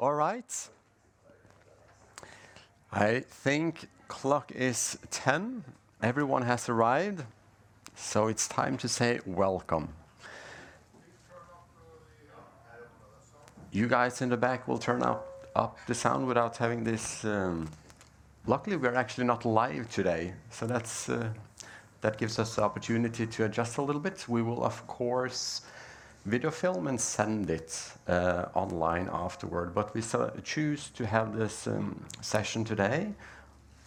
All right. I think the clock is 10. Everyone has arrived, so it's time to say welcome. You guys in the back will turn up the sound without having this, luckily, we are actually not live today, so that gives us the opportunity to adjust a little bit. We will, of course, video film and send it online afterward, but we choose to have this session today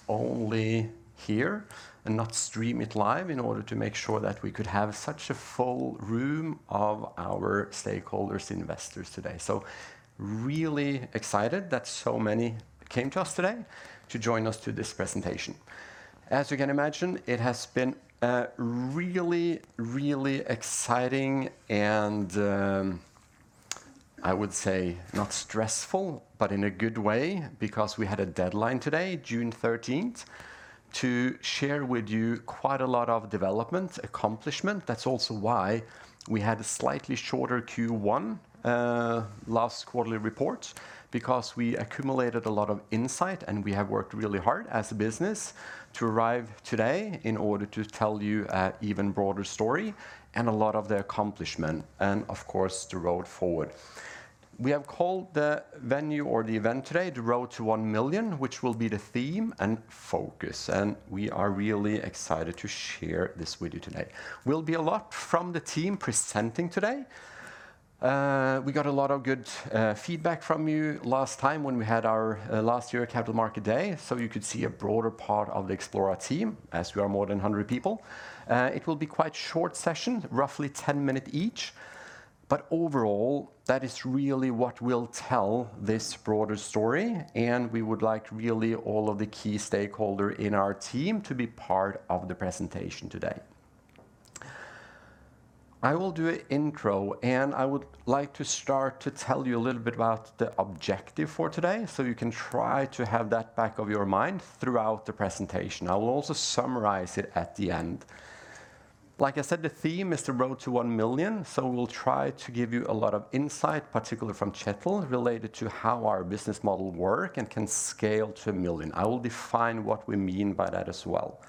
only here and not stream it live in order to make sure that we could have such a full room of our stakeholders and investors today. So really excited that so many came to us today to join us to this presentation. As you can imagine, it has been really, really exciting and, I would say, not stressful, but in a good way because we had a deadline today, June 13, to share with you quite a lot of development accomplishment. That's also why we had a slightly shorter Q1 last quarterly report because we accumulated a lot of insight and we have worked really hard as a business to arrive today in order to tell you an even broader story and a lot of the accomplishment and, of course, the road forward. We have called the venue or the event today "The Road to 1 Million," which will be the theme and focus, and we are really excited to share this with you today. There will be a lot from the team presenting today. We got a lot of good feedback from you last time when we had our last year Capital Markets Day, so you could see a broader part of the Xplora team as we are more than 100 people. It will be a quite short session, roughly 10 minutes each, but overall, that is really what will tell this broader story, and we would like really all of the key stakeholders in our team to be part of the presentation today. I will do an intro, and I would like to start to tell you a little bit about the objective for today so you can try to have that back of your mind throughout the presentation. I will also summarize it at the end. Like I said, the theme is "The Road to 1 Million," so we'll try to give you a lot of insight, particularly from Kjetil, related to how our business model works and can scale to a million. I will define what we mean by that as well.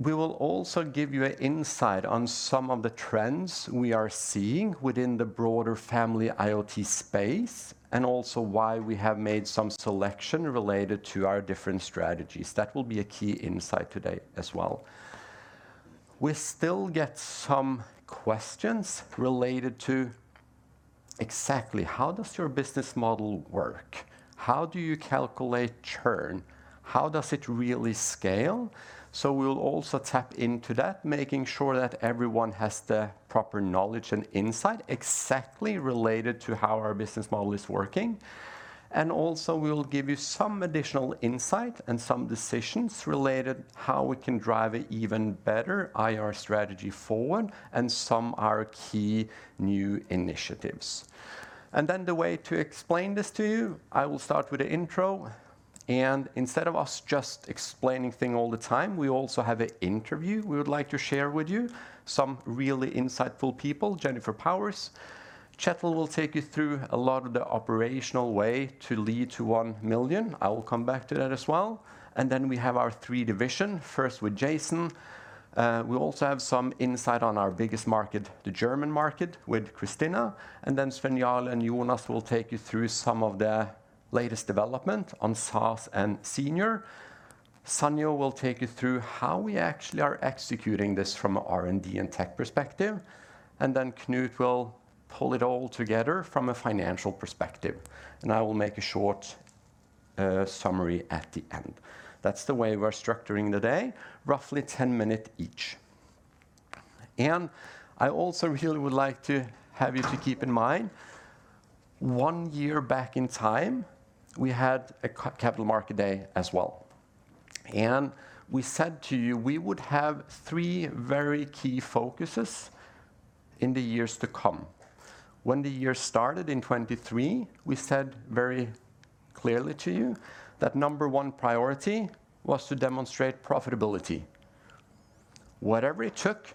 We will also give you an insight on some of the trends we are seeing within the broader family IoT space and also why we have made some selection related to our different strategies. That will be a key insight today as well. We still get some questions related to exactly how does your business model work? How do you calculate churn? How does it really scale? So we'll also tap into that, making sure that everyone has the proper knowledge and insight exactly related to how our business model is working. And also, we'll give you some additional insight and some decisions related to how we can drive an even better IR strategy forward and some of our key new initiatives. Then the way to explain this to you, I will start with an intro, and instead of us just explaining things all the time, we also have an interview we would like to share with you, some really insightful people, Jennifer Powers. Kjetil will take you through a lot of the operational way to lead to one million. I will come back to that as well. Then we have our three divisions, first with Jason. We also have some insight on our biggest market, the German market, with Christina. And then Sven-Jarle and Jonas will take you through some of the latest developments on SaaS and Senior. Sanghyo will take you through how we actually are executing this from an R&D and tech perspective. And then Knut will pull it all together from a financial perspective. And I will make a short summary at the end. That's the way we're structuring the day, roughly 10 minutes each. I also really would like to have you keep in mind, 1 year back in time, we had a Capital Markets Day as well. We said to you we would have 3 very key focuses in the years to come. When the year started in 2023, we said very clearly to you that number 1 priority was to demonstrate profitability. Whatever it took,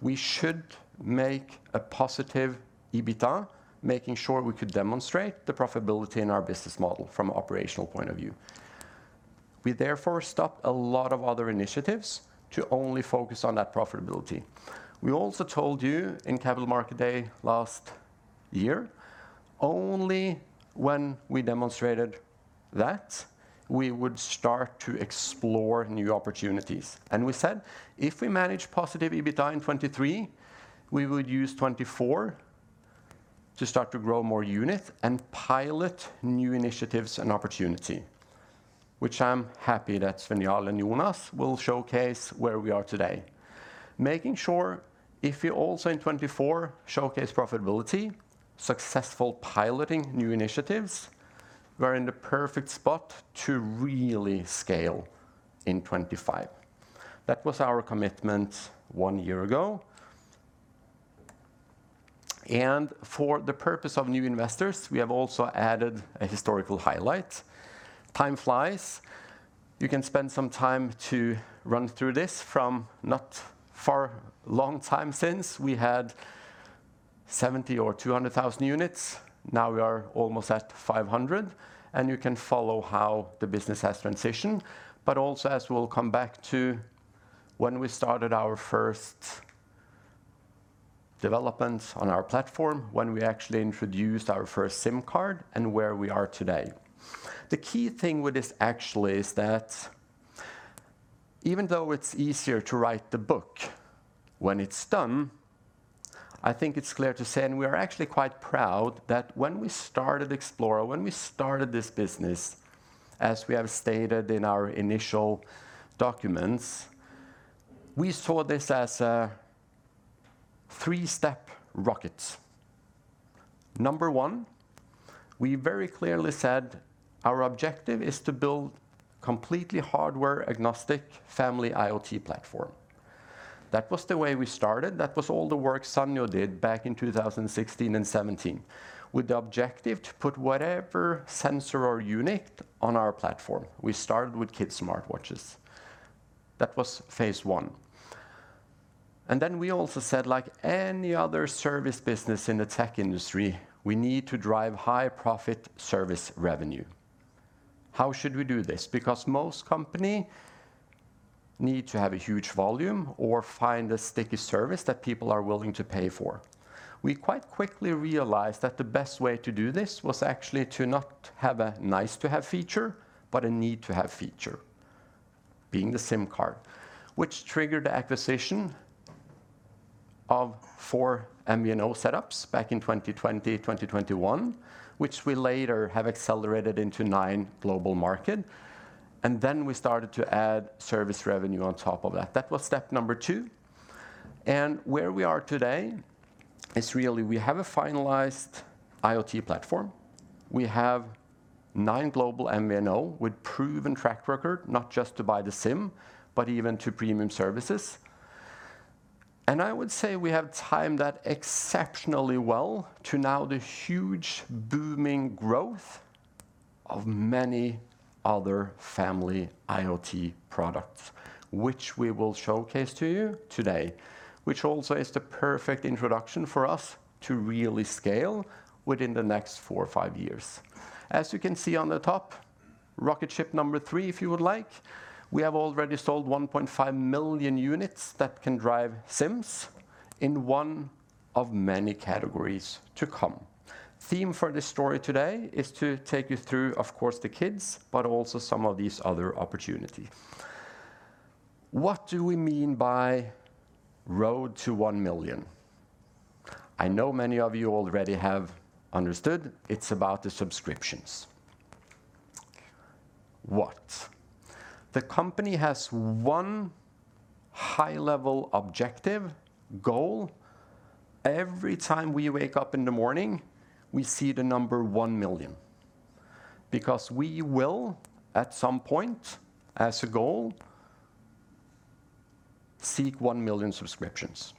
we should make a positive EBITDA, making sure we could demonstrate the profitability in our business model from an operational point of view. We therefore stopped a lot of other initiatives to only focus on that profitability. We also told you in Capital Markets Day last year, only when we demonstrated that we would start to explore new opportunities. And we said if we manage positive EBITDA in 2023, we would use 2024 to start to grow more units and pilot new initiatives and opportunities, which I'm happy that Sven-Jarle and Jonas will showcase where we are today. Making sure if we also in 2024 showcase profitability, successful piloting new initiatives, we're in the perfect spot to really scale in 2025. That was our commitment one year ago. And for the purpose of new investors, we have also added a historical highlight. Time flies. You can spend some time to run through this from not far long time since we had 70 or 200,000 units. Now we are almost at 500, and you can follow how the business has transitioned, but also as we'll come back to when we started our first developments on our platform, when we actually introduced our first SIM card and where we are today. The key thing with this actually is that even though it's easier to write the book when it's done, I think it's clear to say, and we are actually quite proud that when we started Xplora, when we started this business, as we have stated in our initial documents, we saw this as a three-step rocket. Number one, we very clearly said our objective is to build a completely hardware-agnostic family IoT platform. That was the way we started. That was all the work Sanghyo did back in 2016 and 2017 with the objective to put whatever sensor or unit on our platform. We started with kids' smartwatches. That was phase one. And then we also said, like any other service business in the tech industry, we need to drive high-profit service revenue. How should we do this? Because most companies need to have a huge volume or find a sticky service that people are willing to pay for. We quite quickly realized that the best way to do this was actually to not have a nice-to-have feature, but a need-to-have feature, being the SIM card, which triggered the acquisition of 4 MVNO setups back in 2020, 2021, which we later have accelerated into 9 global markets. And then we started to add service revenue on top of that. That was step number two. And where we are today is really we have a finalized IoT platform. We have 9 global MVNO with proven track record, not just to buy the SIM, but even to premium services. I would say we have timed that exceptionally well to now the huge booming growth of many other family IoT products, which we will showcase to you today, which also is the perfect introduction for us to really scale within the next four or five years. As you can see on the top, rocket ship number three, if you would like, we have already sold 1.5 million units that can drive SIMs in one of many categories to come. The theme for this story today is to take you through, of course, the kids, but also some of these other opportunities. What do we mean by "Road to 1 million"? I know many of you already have understood it's about the subscriptions. What? The company has one high-level objective goal. Every time we wake up in the morning, we see the number 1 million because we will at some point, as a goal, seek 1 million subscriptions.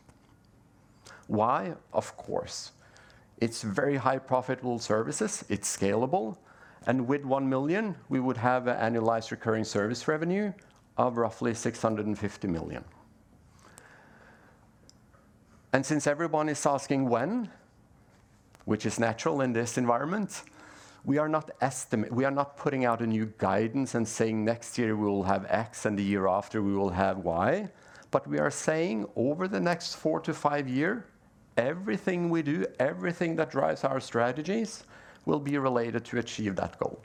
Why? Of course, it's very high-profitable services. It's scalable. And with 1 million, we would have an annualized recurring service revenue of roughly 650 million. And since everyone is asking when, which is natural in this environment, we are not putting out a new guidance and saying next year we will have X and the year after we will have Y, but we are saying over the next 4-5 years, everything we do, everything that drives our strategies will be related to achieve that goal.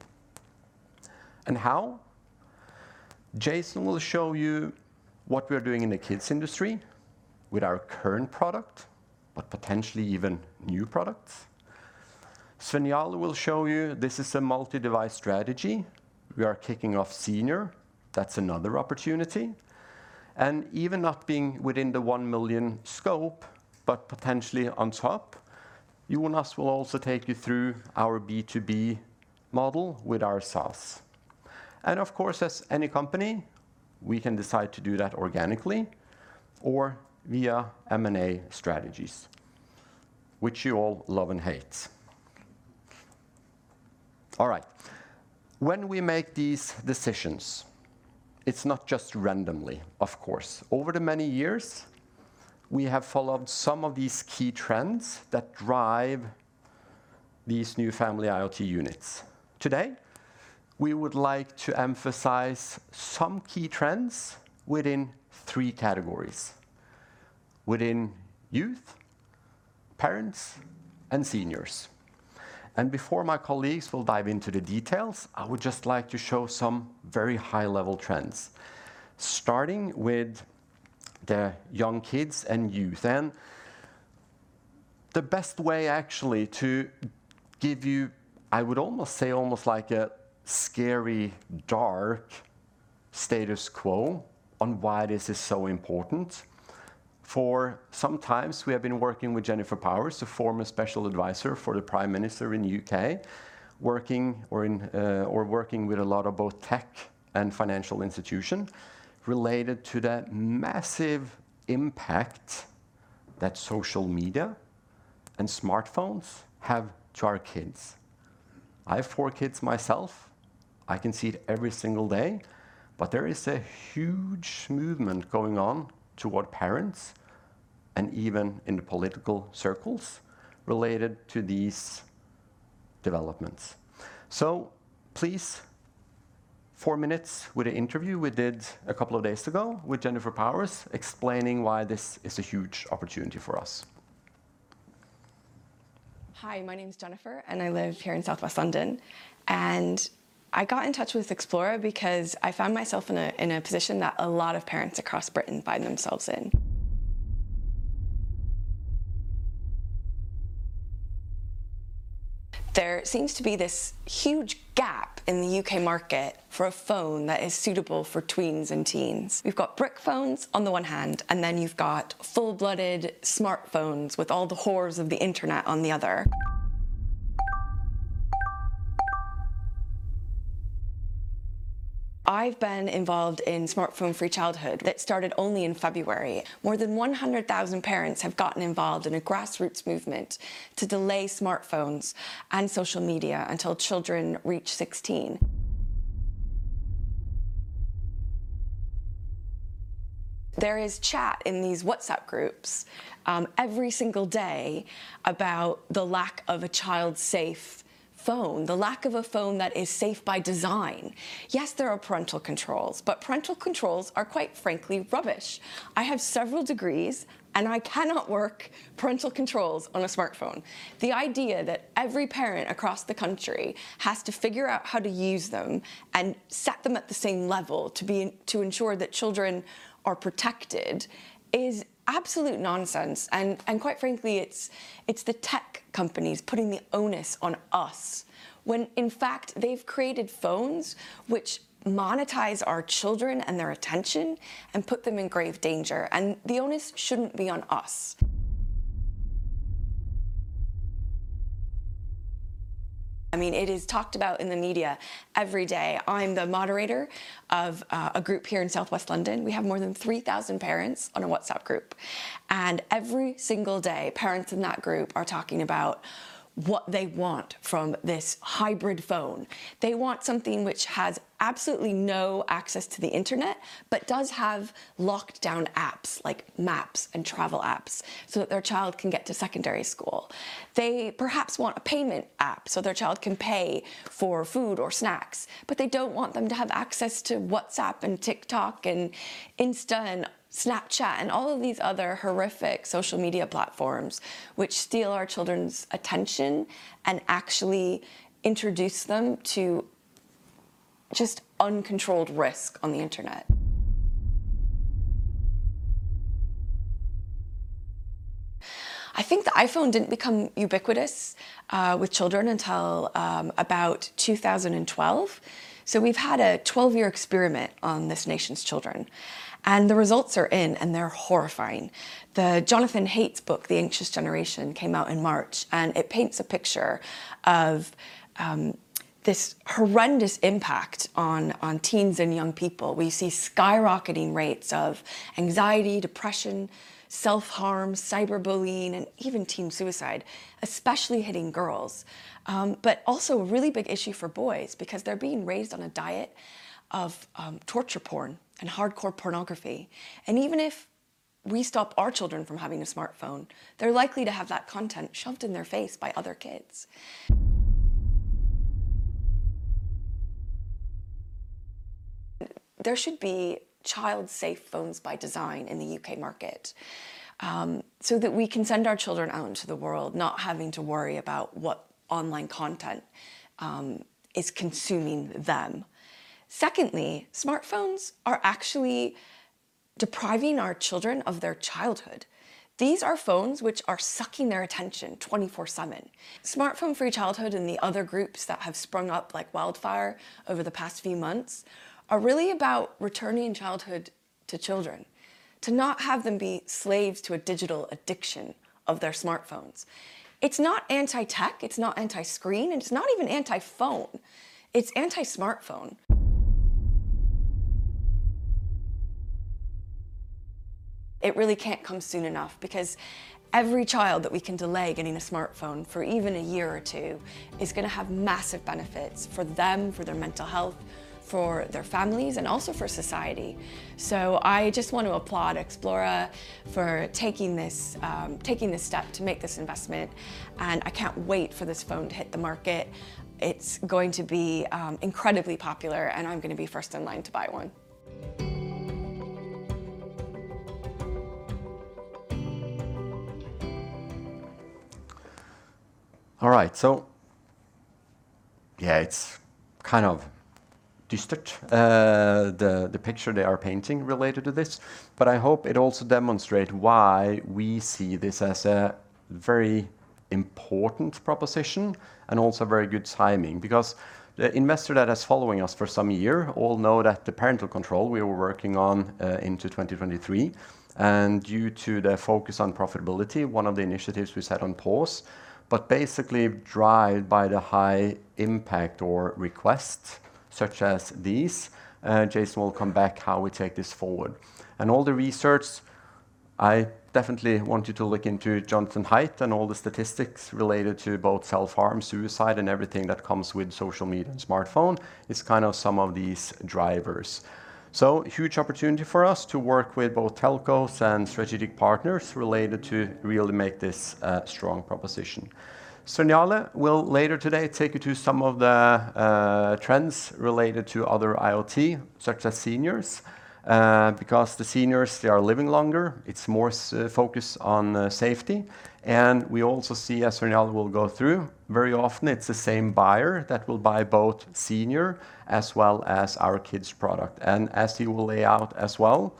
And how? Jason will show you what we are doing in the kids' industry with our current product, but potentially even new products. Sven-Jarle will show you this is a multi-device strategy. We are kicking off Senior. That's another opportunity. Even not being within the 1 million scope, but potentially on top, Jonas will also take you through our B2B model with our SaaS. Of course, as any company, we can decide to do that organically or via M&A strategies, which you all love and hate. All right. When we make these decisions, it's not just randomly, of course. Over the many years, we have followed some of these key trends that drive these new family IoT units. Today, we would like to emphasize some key trends within three categories: within youth, parents, and seniors. Before my colleagues will dive into the details, I would just like to show some very high-level trends, starting with the young kids and youth. And the best way actually to give you, I would almost say, almost like a scary, dark status quo on why this is so important. For sometimes we have been working with Jennifer Powers, the former special advisor for the Prime Minister in the U.K., working with a lot of both tech and financial institutions related to the massive impact that social media and smartphones have to our kids. I have four kids myself. I can see it every single day, but there is a huge movement going on toward parents and even in the political circles related to these developments. So please, four minutes with an interview we did a couple of days ago with Jennifer Powers explaining why this is a huge opportunity for us. Hi, my name is Jennifer, and I live here in Southwest London. I got in touch with Xplora because I found myself in a position that a lot of parents across Britain find themselves in. There seems to be this huge gap in the UK market for a phone that is suitable for tweens and teens. We've got brick phones on the one hand, and then you've got full-blooded smartphones with all the horrors of the internet on the other. I've been involved in Smartphone-Free Childhood that started only in February. More than 100,000 parents have gotten involved in a grassroots movement to delay smartphones and social media until children reach 16. There is chat in these WhatsApp groups every single day about the lack of a child-safe phone, the lack of a phone that is safe by design. Yes, there are parental controls, but parental controls are quite frankly rubbish. I have several degrees, and I cannot work parental controls on a smartphone. The idea that every parent across the country has to figure out how to use them and set them at the same level to ensure that children are protected is absolute nonsense. And quite frankly, it's the tech companies putting the onus on us when, in fact, they've created phones which monetize our children and their attention and put them in grave danger. And the onus shouldn't be on us. I mean, it is talked about in the media every day. I'm the moderator of a group here in Southwest London. We have more than 3,000 parents on a WhatsApp group. And every single day, parents in that group are talking about what they want from this hybrid phone. They want something which has absolutely no access to the internet, but does have locked-down apps like Maps and travel apps so that their child can get to secondary school. They perhaps want a payment app so their child can pay for food or snacks, but they don't want them to have access to WhatsApp and TikTok and Insta and Snapchat and all of these other horrific social media platforms which steal our children's attention and actually introduce them to just uncontrolled risk on the internet. I think the iPhone didn't become ubiquitous with children until about 2012. So we've had a 12-year experiment on this nation's children. And the results are in, and they're horrifying. The Jonathan Haidt book, The Anxious Generation, came out in March, and it paints a picture of this horrendous impact on teens and young people. We see skyrocketing rates of anxiety, depression, self-harm, cyberbullying, and even teen suicide, especially hitting girls, but also a really big issue for boys because they're being raised on a diet of torture porn and hardcore pornography. Even if we stop our children from having a smartphone, they're likely to have that content shoved in their face by other kids. There should be child-safe phones by design in the U.K. market so that we can send our children out into the world not having to worry about what online content is consuming them. Secondly, smartphones are actually depriving our children of their childhood. These are phones which are sucking their attention 24/7. Smartphone-free childhood and the other groups that have sprung up like wildfire over the past few months are really about returning childhood to children to not have them be slaves to a digital addiction of their smartphones. It's not anti-tech, it's not anti-screen, and it's not even anti-phone. It's anti-smartphone. It really can't come soon enough because every child that we can delay getting a smartphone for even a year or two is going to have massive benefits for them, for their mental health, for their families, and also for society. I just want to applaud Xplora for taking this step to make this investment. I can't wait for this phone to hit the market. It's going to be incredibly popular, and I'm going to be first in line to buy one. All right. So yeah, it's kind of distorts the picture they are painting related to this, but I hope it also demonstrates why we see this as a very important proposition and also very good timing because the investor that is following us for some year all know that the parental control we were working on into 2023. Due to the focus on profitability, one of the initiatives we set on pause, but basically driven by the high impact or requests such as these, Jason will come back to how we take this forward. All the research, I definitely want you to look into Jonathan Haidt and all the statistics related to both self-harm, suicide, and everything that comes with social media and smartphone is kind of some of these drivers. So huge opportunity for us to work with both telcos and strategic partners related to really make this a strong proposition. Sven-Jarle will later today take you to some of the trends related to other IoT, such as seniors, because the seniors, they are living longer. It's more focused on safety. We also see, as Sven-Jarle will go through, very often it's the same buyer that will buy both senior as well as our kids' product. As he will lay out as well,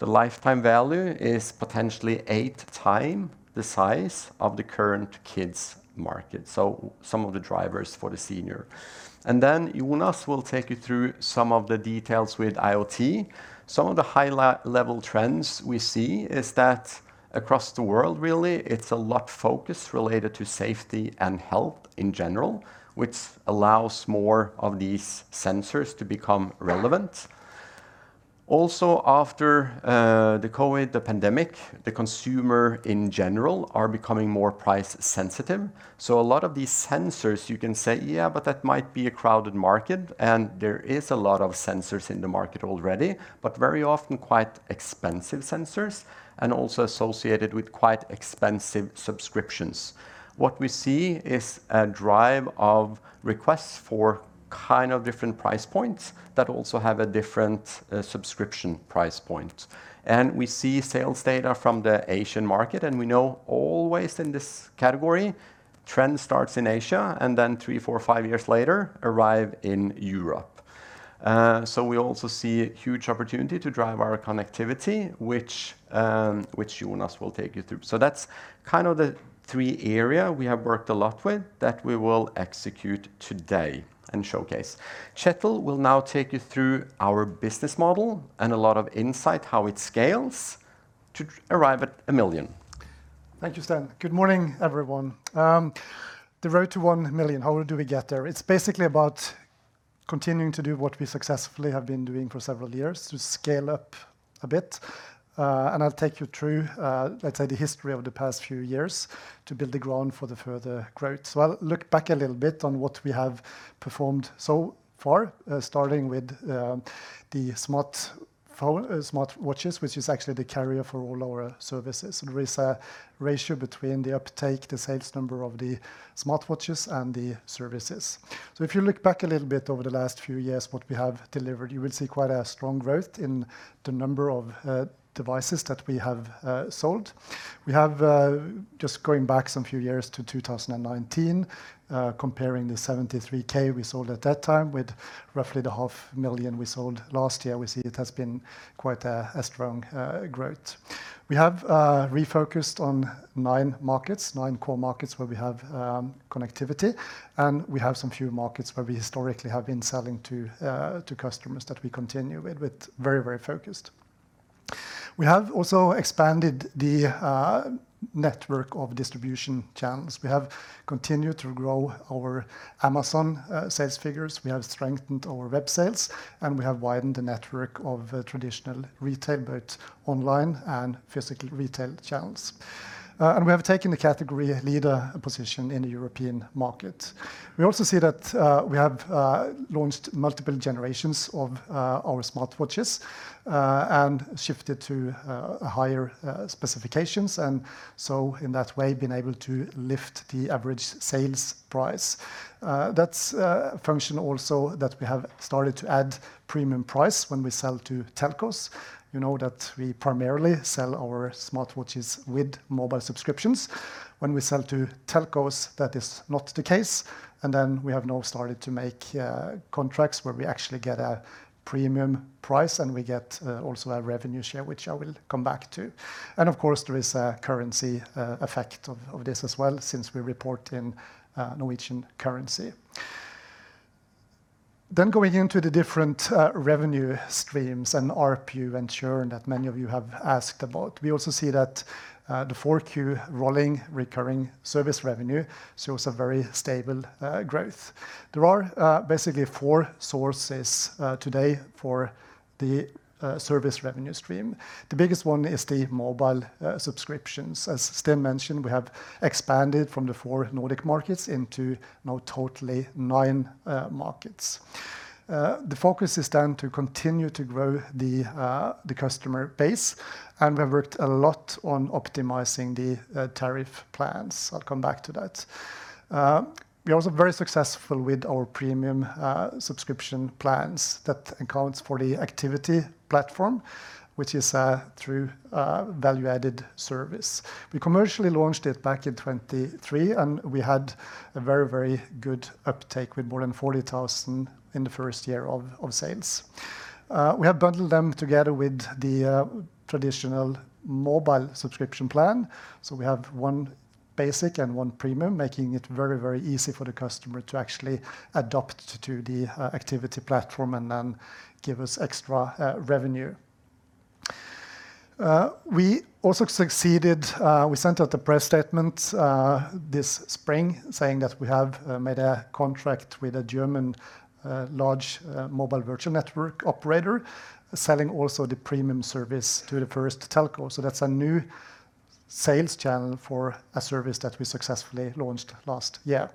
the lifetime value is potentially eight times the size of the current kids' market. Some of the drivers for the senior. Then Jonas will take you through some of the details with IoT. Some of the high-level trends we see is that across the world, really, it's a lot of focus related to safety and health in general, which allows more of these sensors to become relevant. Also, after the COVID, the pandemic, the consumer in general is becoming more price-sensitive. So a lot of these sensors, you can say, yeah, but that might be a crowded market. And there are a lot of sensors in the market already, but very often quite expensive sensors and also associated with quite expensive subscriptions. What we see is a drive of requests for kind of different price points that also have a different subscription price point. And we see sales data from the Asian market. And we know always in this category, trend starts in Asia and then 3, 4, 5 years later arrive in Europe. So we also see huge opportunity to drive our connectivity, which Jonas will take you through. So that's kind of the three areas we have worked a lot with that we will execute today and showcase. Kjetil will now take you through our business model and a lot of insight how it scales to arrive at a million. Thank you, Sten. Good morning, everyone. The road to 1 million, how do we get there? It's basically about continuing to do what we successfully have been doing for several years to scale up a bit. And I'll take you through, let's say, the history of the past few years to build the ground for the further growth. So I'll look back a little bit on what we have performed so far, starting with the smartwatches, which is actually the carrier for all our services. There is a ratio between the uptake, the sales number of the smartwatches, and the services. So if you look back a little bit over the last few years, what we have delivered, you will see quite a strong growth in the number of devices that we have sold. We have, just going back some few years to 2019, comparing the 73,000 we sold at that time with roughly the 500,000 we sold last year, we see it has been quite a strong growth. We have refocused on 9 markets, 9 core markets where we have connectivity. And we have some few markets where we historically have been selling to customers that we continue with, with very, very focused. We have also expanded the network of distribution channels. We have continued to grow our Amazon sales figures. We have strengthened our web sales, and we have widened the network of traditional retail, both online and physical retail channels. We have taken the category leader position in the European market. We also see that we have launched multiple generations of our smartwatches and shifted to higher specifications. And so in that way, been able to lift the average sales price. That's a function also that we have started to add premium price when we sell to telcos. You know that we primarily sell our smartwatches with mobile subscriptions. When we sell to telcos, that is not the case. And then we have now started to make contracts where we actually get a premium price, and we get also a revenue share, which I will come back to. Of course, there is a currency effect of this as well since we report in Norwegian currency. Then going into the different revenue streams and RPU and churn that many of you have asked about, we also see that the 4Q rolling recurring service revenue shows a very stable growth. There are basically four sources today for the service revenue stream. The biggest one is the mobile subscriptions. As Sten mentioned, we have expanded from the four Nordic markets into now totally nine markets. The focus is then to continue to grow the customer base. And we have worked a lot on optimizing the tariff plans. I'll come back to that. We are also very successful with our premium subscription plans that accounts for the activity platform, which is through value-added service. We commercially launched it back in 2023, and we had a very, very good uptake with more than 40,000 in the first year of sales. We have bundled them together with the traditional mobile subscription plan. So we have one basic and one premium, making it very, very easy for the customer to actually adapt to the activity platform and then give us extra revenue. We also succeeded. We sent out a press statement this spring saying that we have made a contract with a German large mobile virtual network operator, selling also the premium service to the first telco. So that's a new sales channel for a service that we successfully launched last year.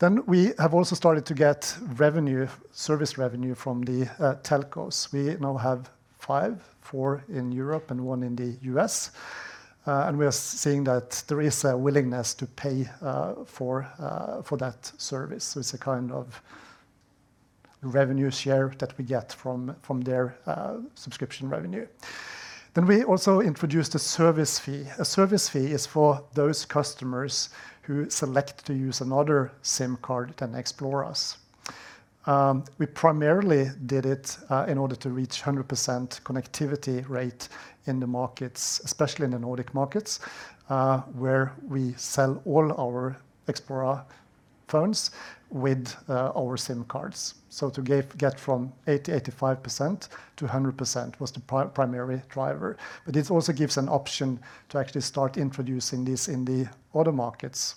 Then we have also started to get revenue, service revenue from the telcos. We now have five, four in Europe and one in the US. And we are seeing that there is a willingness to pay for that service. So it's a kind of revenue share that we get from their subscription revenue. Then we also introduced a service fee. A service fee is for those customers who select to use another SIM card than Xplora's. We primarily did it in order to reach 100% connectivity rate in the markets, especially in the Nordic markets, where we sell all our Xplora phones with our SIM cards. So to get from 80%-85% to 100% was the primary driver. But this also gives an option to actually start introducing this in the other markets.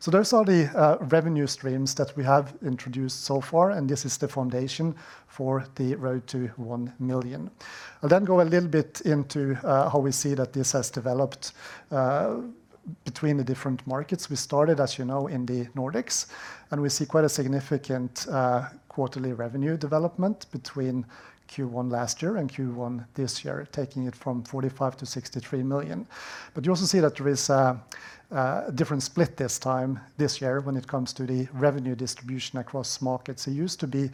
So those are the revenue streams that we have introduced so far, and this is the foundation for the road to 1 million. I'll then go a little bit into how we see that this has developed between the different markets. We started, as you know, in the Nordics, and we see quite a significant quarterly revenue development between Q1 last year and Q1 this year, taking it from 45 million-63 million. But you also see that there is a different split this time this year when it comes to the revenue distribution across markets. It used to be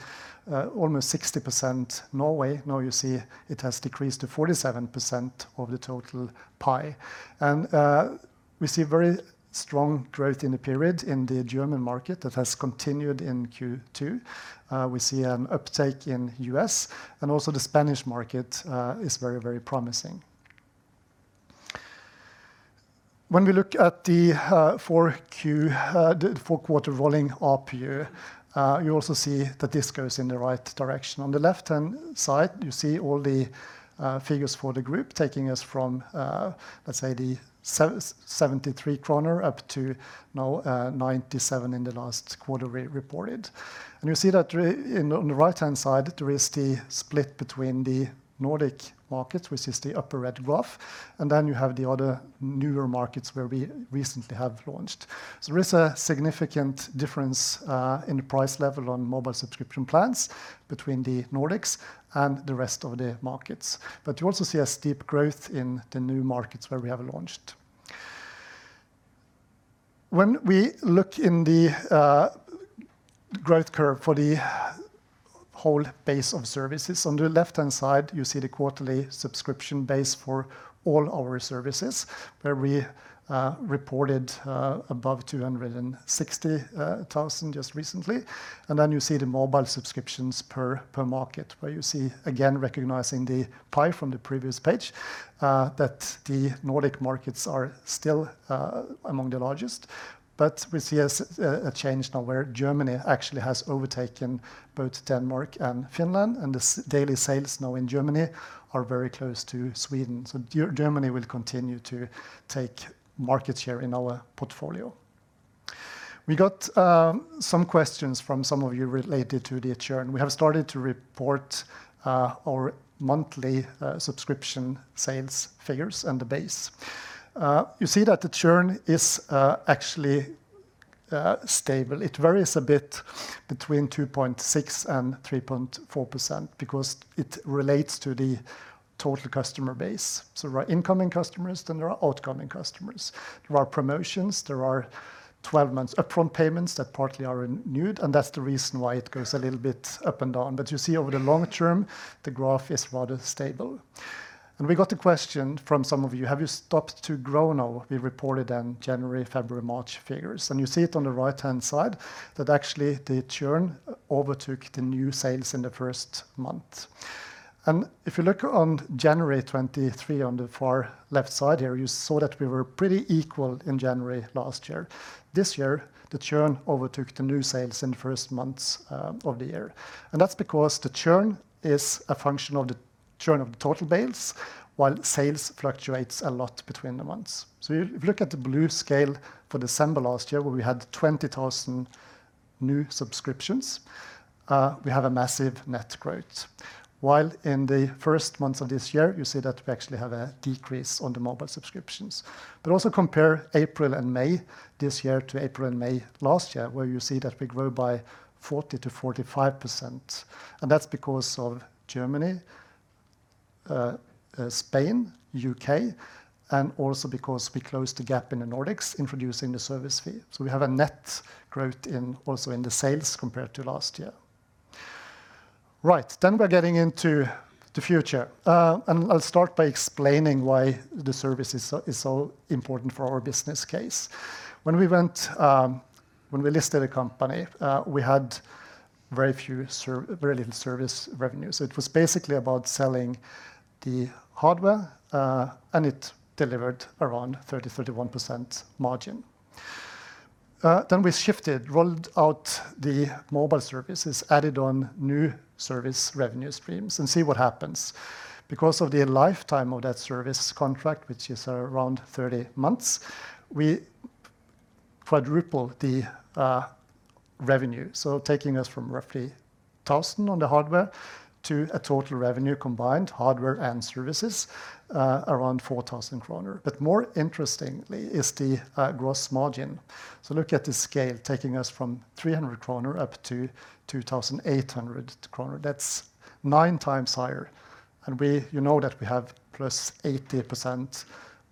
almost 60% Norway. Now you see it has decreased to 47% of the total pie. And we see very strong growth in the period in the German market that has continued in Q2. We see an uptake in the US, and also the Spanish market is very, very promising. When we look at the 4Q, the four-quarter rolling RPU, you also see that this goes in the right direction. On the left-hand side, you see all the figures for the group taking us from, let's say, the 73 kroner up to now 97 in the last quarter reported. And you see that on the right-hand side, there is the split between the Nordic markets, which is the upper red graph. And then you have the other newer markets where we recently have launched. So there is a significant difference in the price level on mobile subscription plans between the Nordics and the rest of the markets. But you also see a steep growth in the new markets where we have launched. When we look in the growth curve for the whole base of services, on the left-hand side, you see the quarterly subscription base for all our services, where we reported above 260,000 just recently. And then you see the mobile subscriptions per market, where you see, again, recognizing the pie from the previous page, that the Nordic markets are still among the largest. But we see a change now where Germany actually has overtaken both Denmark and Finland, and the daily sales now in Germany are very close to Sweden. So Germany will continue to take market share in our portfolio. We got some questions from some of you related to the churn. We have started to report our monthly subscription sales figures and the base. You see that the churn is actually stable. It varies a bit between 2.6% and 3.4% because it relates to the total customer base. So there are incoming customers, then there are outgoing customers. There are promotions, there are 12-month upfront payments that partly are renewed, and that's the reason why it goes a little bit up and down. But you see over the long term, the graph is rather stable. And we got the question from some of you, have you stopped to grow now? We reported in January, February, March figures. And you see it on the right-hand side that actually the churn overtook the new sales in the first month. If you look on January 23, on the far left side here, you saw that we were pretty equal in January last year. This year, the churn overtook the new sales in the first months of the year. That's because the churn is a function of the churn of the total base, while sales fluctuates a lot between the months. If you look at the blue scale for December last year, where we had 20,000 new subscriptions, we have a massive net growth. While in the first months of this year, you see that we actually have a decrease on the mobile subscriptions. Also compare April and May this year to April and May last year, where you see that we grow by 40%-45%. That's because of Germany, Spain, UK, and also because we closed the gap in the Nordics, introducing the service fee. We have a net growth also in the sales compared to last year. Right, then we're getting into the future. I'll start by explaining why the service is so important for our business case. When we listed a company, we had very few, very little service revenue. It was basically about selling the hardware, and it delivered around 30%-31% margin. Then we shifted, rolled out the mobile services, added on new service revenue streams, and see what happens. Because of the lifetime of that service contract, which is around 30 months, we quadrupled the revenue. Taking us from roughly 1,000 on the hardware to a total revenue combined, hardware and services, around 4,000 kroner. But more interestingly is the gross margin. So look at the scale, taking us from 300 kroner up to 2,800 kroner. That's nine times higher. And you know that we have +80%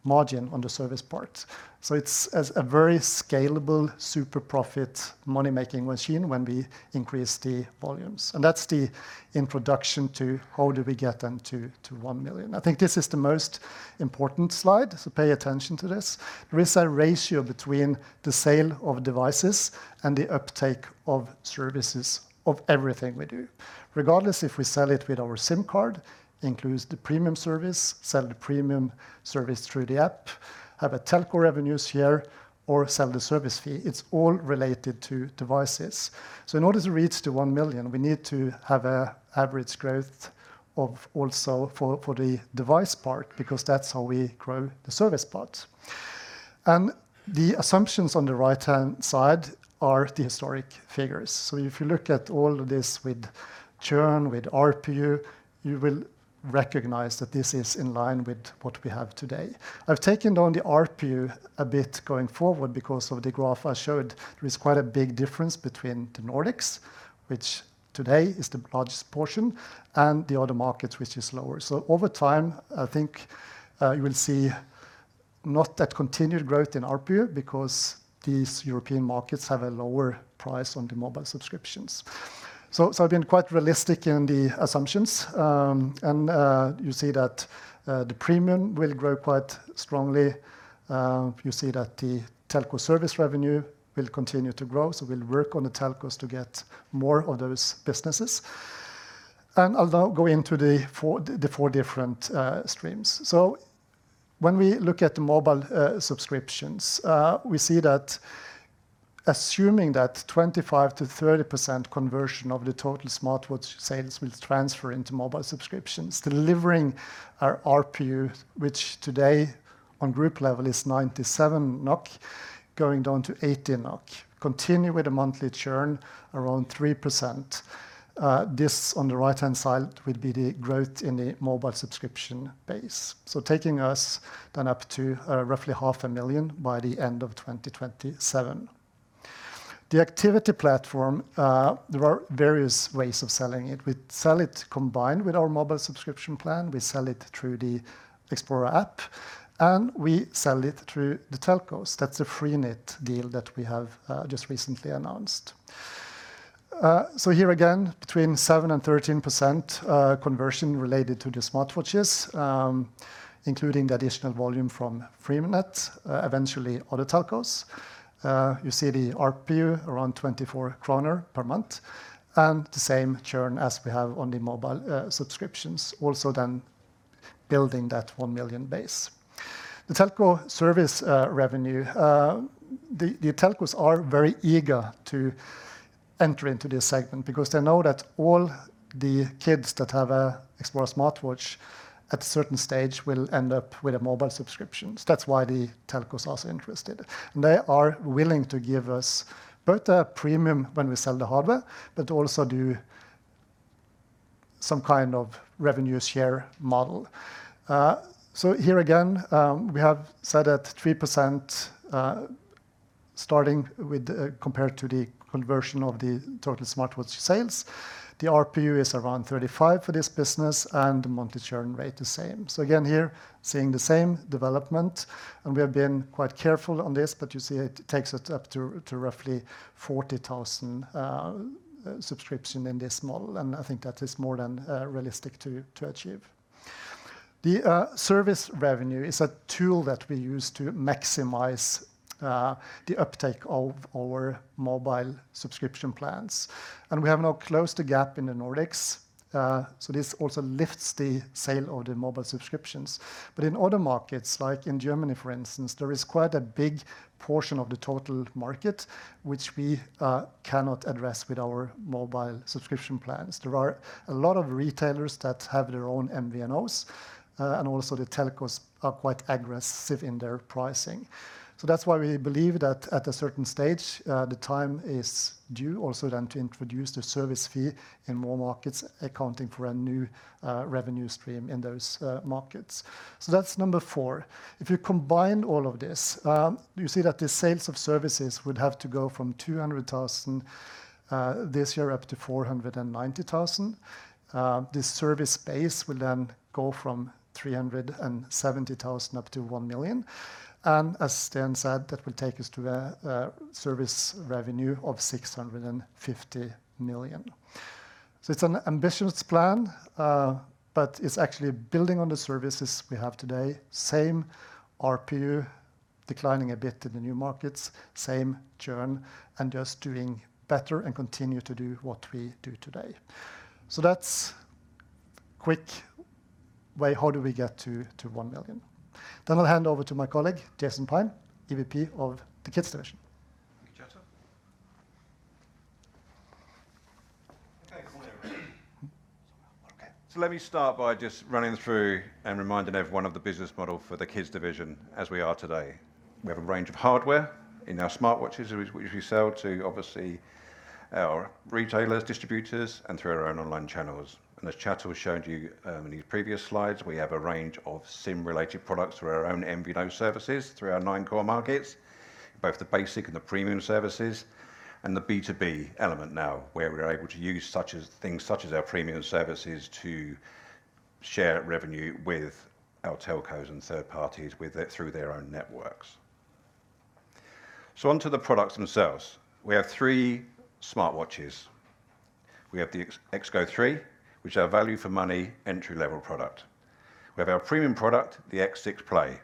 margin on the service part. So it's a very scalable, super profit money-making machine when we increase the volumes. And that's the introduction to how do we get them to 1 million. I think this is the most important slide, so pay attention to this. There is a ratio between the sale of devices and the uptake of services of everything we do. Regardless if we sell it with our SIM card, it includes the premium service, sell the premium service through the app, have a telco revenues here, or sell the service fee. It's all related to devices. So in order to reach to 1 million, we need to have an average growth of also for the device part because that's how we grow the service part. The assumptions on the right-hand side are the historic figures. If you look at all of this with churn, with RPU, you will recognize that this is in line with what we have today. I've taken down the RPU a bit going forward because of the graph I showed. There is quite a big difference between the Nordics, which today is the largest portion, and the other markets, which is lower. Over time, I think you will see not that continued growth in RPU because these European markets have a lower price on the mobile subscriptions. I've been quite realistic in the assumptions. You see that the premium will grow quite strongly. You see that the telco service revenue will continue to grow. So we'll work on the telcos to get more of those businesses. I'll now go into the four different streams. So when we look at the mobile subscriptions, we see that assuming that 25%-30% conversion of the total smartwatch sales will transfer into mobile subscriptions, delivering our RPU, which today on group level is 97 NOK, going down to 80 NOK, continue with a monthly churn around 3%. This on the right-hand side would be the growth in the mobile subscription base. So taking us then up to roughly 500,000 by the end of 2027. The activity platform, there are various ways of selling it. We sell it combined with our mobile subscription plan. We sell it through the Xplora app, and we sell it through the telcos. That's the Freenet deal that we have just recently announced. So here again, between 7% and 13% conversion related to the smartwatches, including the additional volume from Freenet, eventually other telcos. You see the RPU around 24 kroner per month and the same churn as we have on the mobile subscriptions, also then building that 1 million base. The telco service revenue, the telcos are very eager to enter into this segment because they know that all the kids that have an Xplora smartwatch at a certain stage will end up with a mobile subscription. So that's why the telcos are so interested. And they are willing to give us both a premium when we sell the hardware, but also do some kind of revenue share model. So here again, we have said at 3% starting with compared to the conversion of the total smartwatch sales. The RPU is around 35 for this business, and the monthly churn rate is the same. So again, here seeing the same development. And we have been quite careful on this, but you see it takes us up to roughly 40,000 subscriptions in this model. And I think that is more than realistic to achieve. The service revenue is a tool that we use to maximize the uptake of our mobile subscription plans. And we have now closed the gap in the Nordics. So this also lifts the sale of the mobile subscriptions. But in other markets, like in Germany, for instance, there is quite a big portion of the total market, which we cannot address with our mobile subscription plans. There are a lot of retailers that have their own MVNOs, and also the telcos are quite aggressive in their pricing. So that's why we believe that at a certain stage, the time is due also then to introduce the service fee in more markets, accounting for a new revenue stream in those markets. So that's number four. If you combine all of this, you see that the sales of services would have to go from 200,000 this year up to 490,000. The service base will then go from 370,000 up to 1,000,000. And as Sten said, that will take us to a service revenue of 650 million. So it's an ambitious plan, but it's actually building on the services we have today, same RPU, declining a bit in the new markets, same churn, and just doing better and continue to do what we do today. So that's a quick way how do we get to 1,000,000. Then I'll hand over to my colleague, Jason Pyne, EVP of the Kids Division. Thank you, Jason. Okay, good morning. Okay, so let me start by just running through and reminding everyone of the business model for the Kids Division as we are today. We have a range of hardware in our smartwatches, which we sell to obviously our retailers, distributors, and through our own online channels. And as Kjetil showed you in these previous slides, we have a range of SIM-related products through our own MVNO services, through our 9 core markets, both the basic and the premium services, and the B2B element now, where we're able to use things such as our premium services to share revenue with our telcos and third parties through their own networks. So onto the products themselves. We have three smartwatches. We have the XGO3, which is our value-for-money entry-level product. We have our premium product, the X6 Play.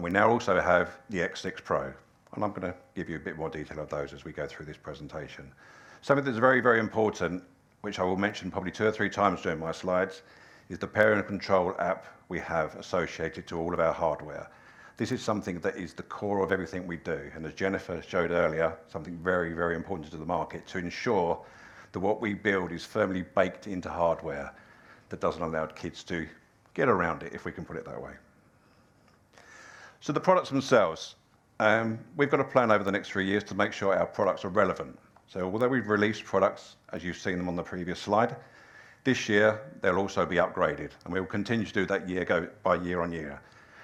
We now also have the X6 Pro. I'm going to give you a bit more detail of those as we go through this presentation. Something that's very, very important, which I will mention probably two or three times during my slides, is the parent control app we have associated to all of our hardware. This is something that is the core of everything we do. As Jennifer showed earlier, something very, very important to the market to ensure that what we build is firmly baked into hardware that doesn't allow kids to get around it, if we can put it that way. So the products themselves, we've got to plan over the next three years to make sure our products are relevant. Although we've released products, as you've seen them on the previous slide, this year they'll also be upgraded. We will continue to do that year by year on year.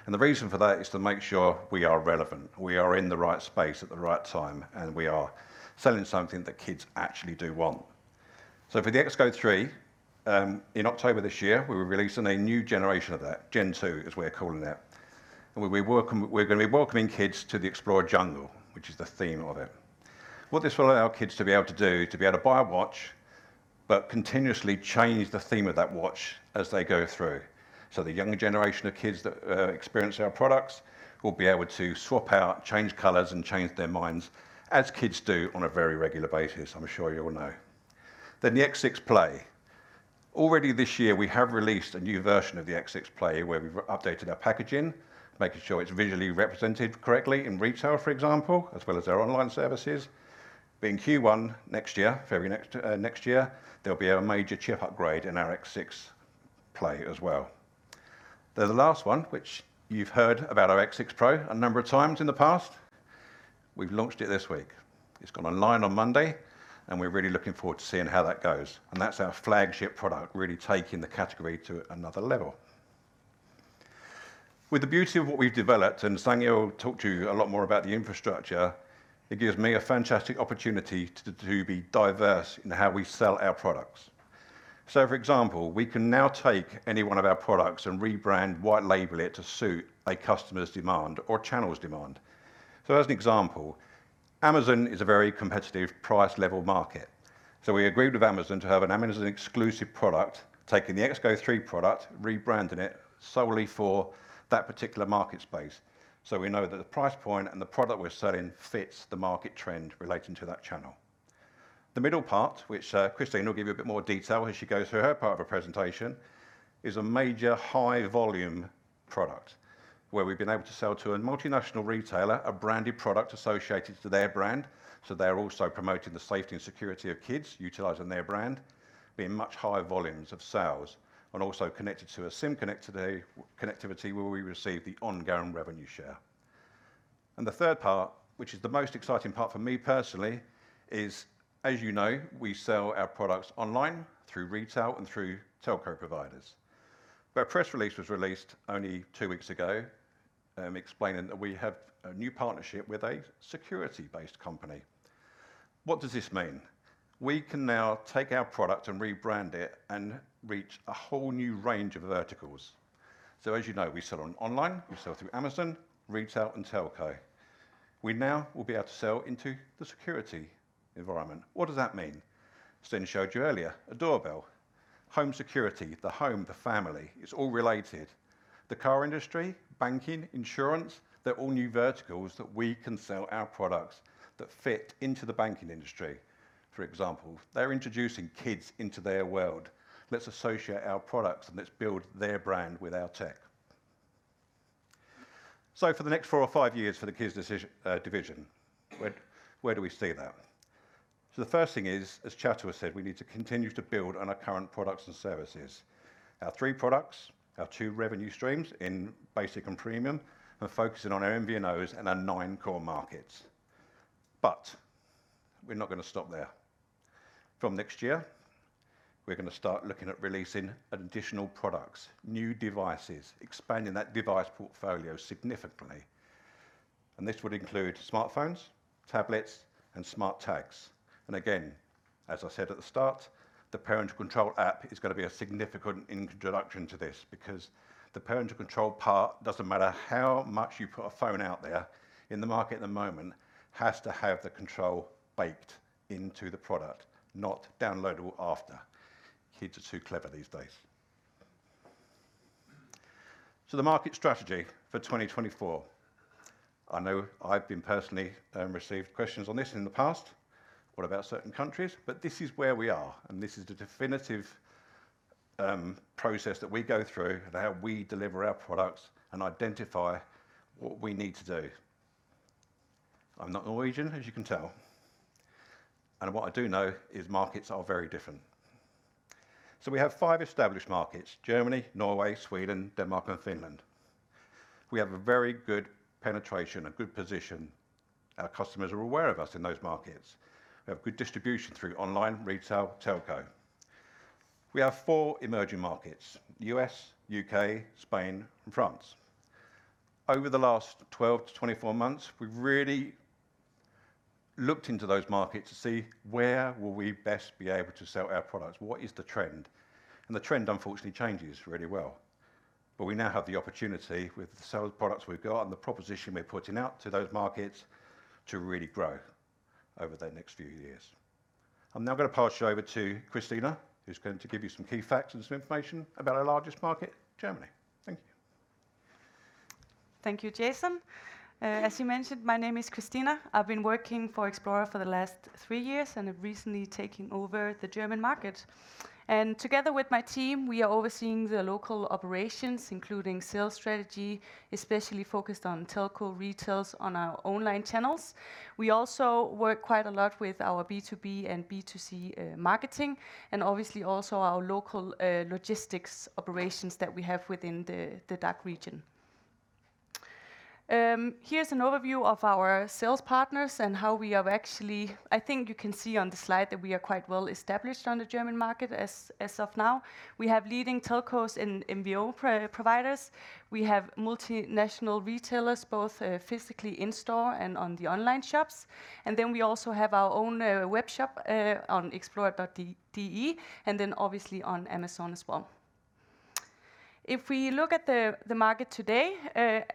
The reason for that is to make sure we are relevant, we are in the right space at the right time, and we are selling something that kids actually do want. So for the XGO3, in October this year, we were releasing a new generation of that, Gen 2, as we're calling it. We're going to be welcoming kids to the Xplora Jungle, which is the theme of it. What this will allow kids to be able to do is to be able to buy a watch, but continuously change the theme of that watch as they go through. So the younger generation of kids that experience our products will be able to swap out, change colors, and change their minds, as kids do on a very regular basis. I'm sure you'll know. Then the X6 Play. Already this year, we have released a new version of the X6 Play where we've updated our packaging, making sure it's visually represented correctly in retail, for example, as well as our online services. But in Q1 next year, February next year, there'll be a major chip upgrade in our X6 Play as well. Then the last one, which you've heard about our X6 Pro a number of times in the past. We've launched it this week. It's gone online on Monday, and we're really looking forward to seeing how that goes. And that's our flagship product, really taking the category to another level. With the beauty of what we've developed, and Sanghyo talked to you a lot more about the infrastructure, it gives me a fantastic opportunity to be diverse in how we sell our products. So for example, we can now take any one of our products and rebrand, white-label it to suit a customer's demand or channel's demand. So as an example, Amazon is a very competitive price-level market. So we agreed with Amazon to have an Amazon-exclusive product, taking the XGO3 product, rebranding it solely for that particular market space. So we know that the price point and the product we're selling fits the market trend relating to that channel. The middle part, which Christine will give you a bit more detail as she goes through her part of her presentation, is a major high-volume product where we've been able to sell to a multinational retailer a branded product associated to their brand. So they're also promoting the safety and security of kids utilizing their brand, being much higher volumes of sales, and also connected to a SIM connectivity where we receive the ongoing revenue share. And the third part, which is the most exciting part for me personally, is, as you know, we sell our products online through retail and through telco providers. But a press release was released only two weeks ago explaining that we have a new partnership with a security-based company. What does this mean? We can now take our product and rebrand it and reach a whole new range of verticals. So as you know, we sell online, we sell through Amazon, retail, and telco. We now will be able to sell into the security environment. What does that mean? As Sten showed you earlier, a doorbell, home security, the home, the family, it's all related. The car industry, banking, insurance, they're all new verticals that we can sell our products that fit into the banking industry. For example, they're introducing kids into their world. Let's associate our products and let's build their brand with our tech. So for the next four or five years for the Kids Division, where do we see that? So the first thing is, as Kjetil has said, we need to continue to build on our current products and services, our three products, our two revenue streams in basic and premium, and focusing on our MVNOs and our nine core markets. But we're not going to stop there. From next year, we're going to start looking at releasing additional products, new devices, expanding that device portfolio significantly. This would include smartphones, tablets, and smart tags. And again, as I said at the start, the parent control app is going to be a significant introduction to this because the parent control part, doesn't matter how much you put a phone out there, in the market at the moment has to have the control baked into the product, not downloadable after. Kids are too clever these days. The market strategy for 2024. I know I've been personally received questions on this in the past, what about certain countries? But this is where we are, and this is the definitive process that we go through and how we deliver our products and identify what we need to do. I'm not Norwegian, as you can tell. What I do know is markets are very different. We have 5 established markets: Germany, Norway, Sweden, Denmark, and Finland. We have a very good penetration, a good position. Our customers are aware of us in those markets. We have good distribution through online, retail, telco. We have 4 emerging markets: U.S., U.K., Spain, and France. Over the last 12-24 months, we've really looked into those markets to see where will we best be able to sell our products, what is the trend. The trend, unfortunately, changes really well. We now have the opportunity with the sales products we've got and the proposition we're putting out to those markets to really grow over the next few years. I'm now going to pass you over to Christina, who's going to give you some key facts and some information about our largest market, Germany. Thank you. Thank you, Jason. As you mentioned, my name is Christina. I've been working for Xplora for the last three years and have recently taken over the German market. Together with my team, we are overseeing the local operations, including sales strategy, especially focused on telco, retail on our online channels. We also work quite a lot with our B2B and B2C marketing, and obviously also our local logistics operations that we have within the DACH region. Here's an overview of our sales partners and how we have actually, I think you can see on the slide that we are quite well established on the German market as of now. We have leading telcos and MVNO providers. We have multinational retailers, both physically in store and on the online shops. Then we also have our own webshop on Xplora.de and then obviously on Amazon as well. If we look at the market today,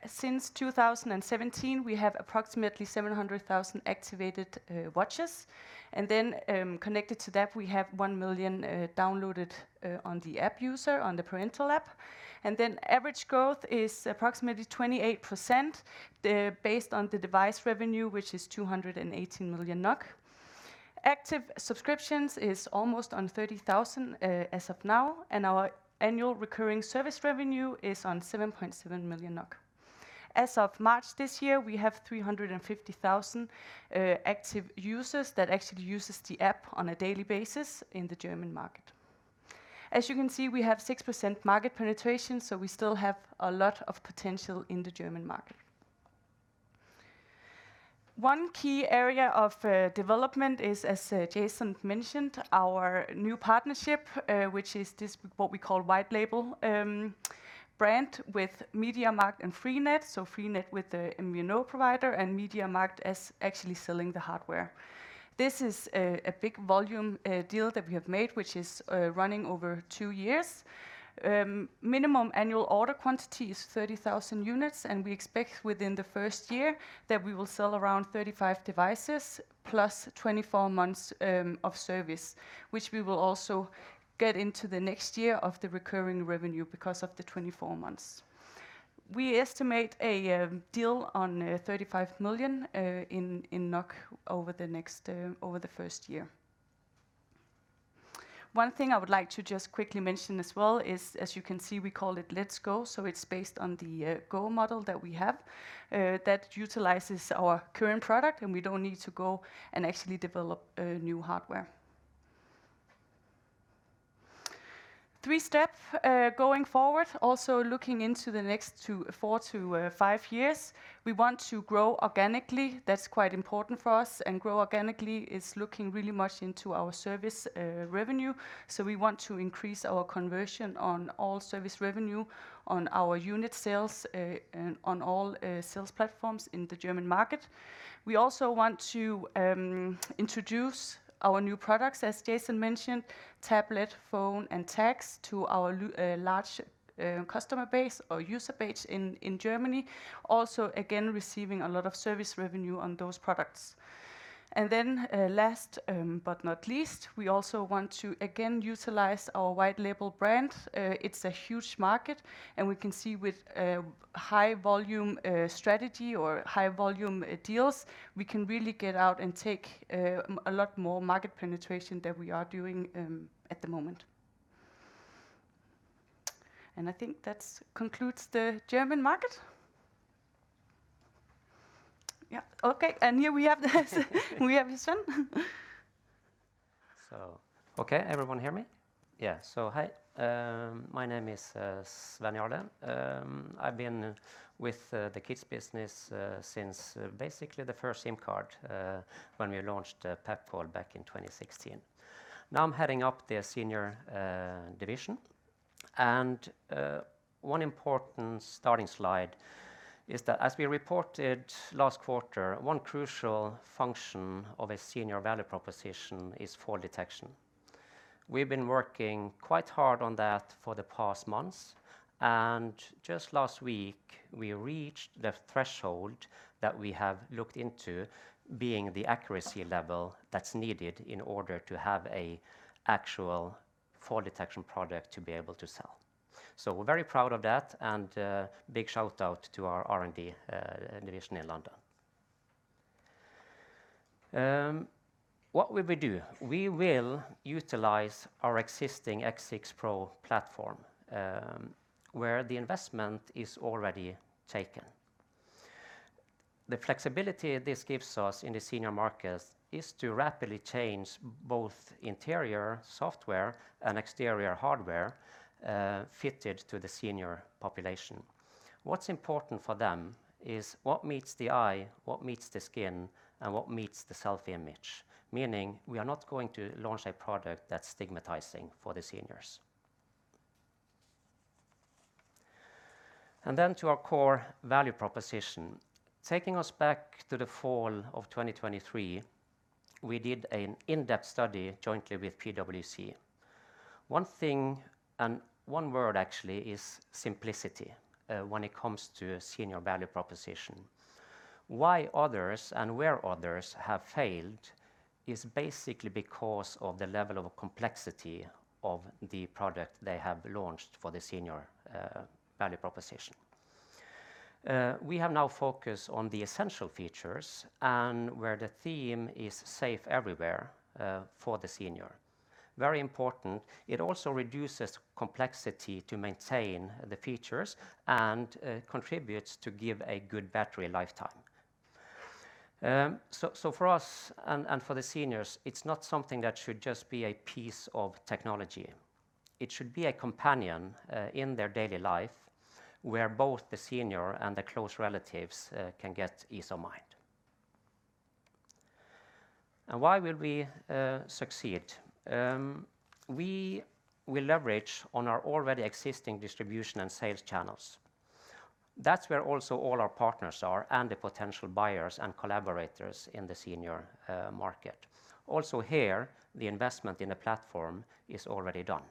since 2017, we have approximately 700,000 activated watches. Connected to that, we have 1,000,000 downloaded on the app user, on the parental app. Average growth is approximately 28% based on the device revenue, which is 218 million NOK. Active subscriptions is almost on 30,000 as of now, and our annual recurring service revenue is on 7.7 million NOK. As of March this year, we have 350,000 active users that actually use the app on a daily basis in the German market. As you can see, we have 6% market penetration, so we still have a lot of potential in the German market. One key area of development is, as Jason mentioned, our new partnership, which is what we call white-label brand with MediaMarkt and Freenet, so Freenet with the MVNO provider and MediaMarkt as actually selling the hardware. This is a big volume deal that we have made, which is running over two years. Minimum annual order quantity is 30,000 units, and we expect within the first year that we will sell around 35 devices plus 24 months of service, which we will also get into the next year of the recurring revenue because of the 24 months. We estimate a deal on 35 million over the first year. One thing I would like to just quickly mention as well is, as you can see, we call it Let's Go. So it's based on the Go model that we have that utilizes our current product, and we don't need to go and actually develop new hardware. Three steps going forward, also looking into the next 4-5 years, we want to grow organically. That's quite important for us. Grow organically is looking really much into our service revenue. So we want to increase our conversion on all service revenue, on our unit sales, and on all sales platforms in the German market. We also want to introduce our new products, as Jason mentioned, tablet, phone, and tags to our large customer base or user base in Germany, also again receiving a lot of service revenue on those products. Then last but not least, we also want to again utilize our white-label brand. It's a huge market, and we can see with high-volume strategy or high-volume deals, we can really get out and take a lot more market penetration than we are doing at the moment. I think that concludes the German market. Yeah, okay, and here we have Sven. Okay, everyone hear me? Yeah, so hi, my name is Svenn Jarle. I've been with the kids business since basically the first SIM card when we launched PepCall back in 2016. Now I'm heading up the senior division. One important starting slide is that as we reported last quarter, one crucial function of a senior value proposition is fall detection. We've been working quite hard on that for the past months. Just last week, we reached the threshold that we have looked into being the accuracy level that's needed in order to have an actual fall detection product to be able to sell. So we're very proud of that, and big shout-out to our R&D division in London. What will we do? We will utilize our existing X6 Pro platform where the investment is already taken. The flexibility this gives us in the senior market is to rapidly change both interior software and exterior hardware fitted to the senior population. What's important for them is what meets the eye, what meets the skin, and what meets the self-image, meaning we are not going to launch a product that's stigmatizing for the seniors. And then to our core value proposition, taking us back to the fall of 2023, we did an in-depth study jointly with PwC. One thing, and one word, actually, is simplicity when it comes to senior value proposition. Why others, and where others, have failed is basically because of the level of complexity of the product they have launched for the senior value proposition. We have now focused on the essential features, and where the theme is safe everywhere for the senior. Very important, it also reduces complexity to maintain the features and contributes to give a good battery lifetime. For us and for the seniors, it's not something that should just be a piece of technology. It should be a companion in their daily life where both the senior and the close relatives can get ease of mind. Why will we succeed? We will leverage on our already existing distribution and sales channels. That's where also all our partners are and the potential buyers and collaborators in the senior market. Also here, the investment in a platform is already done.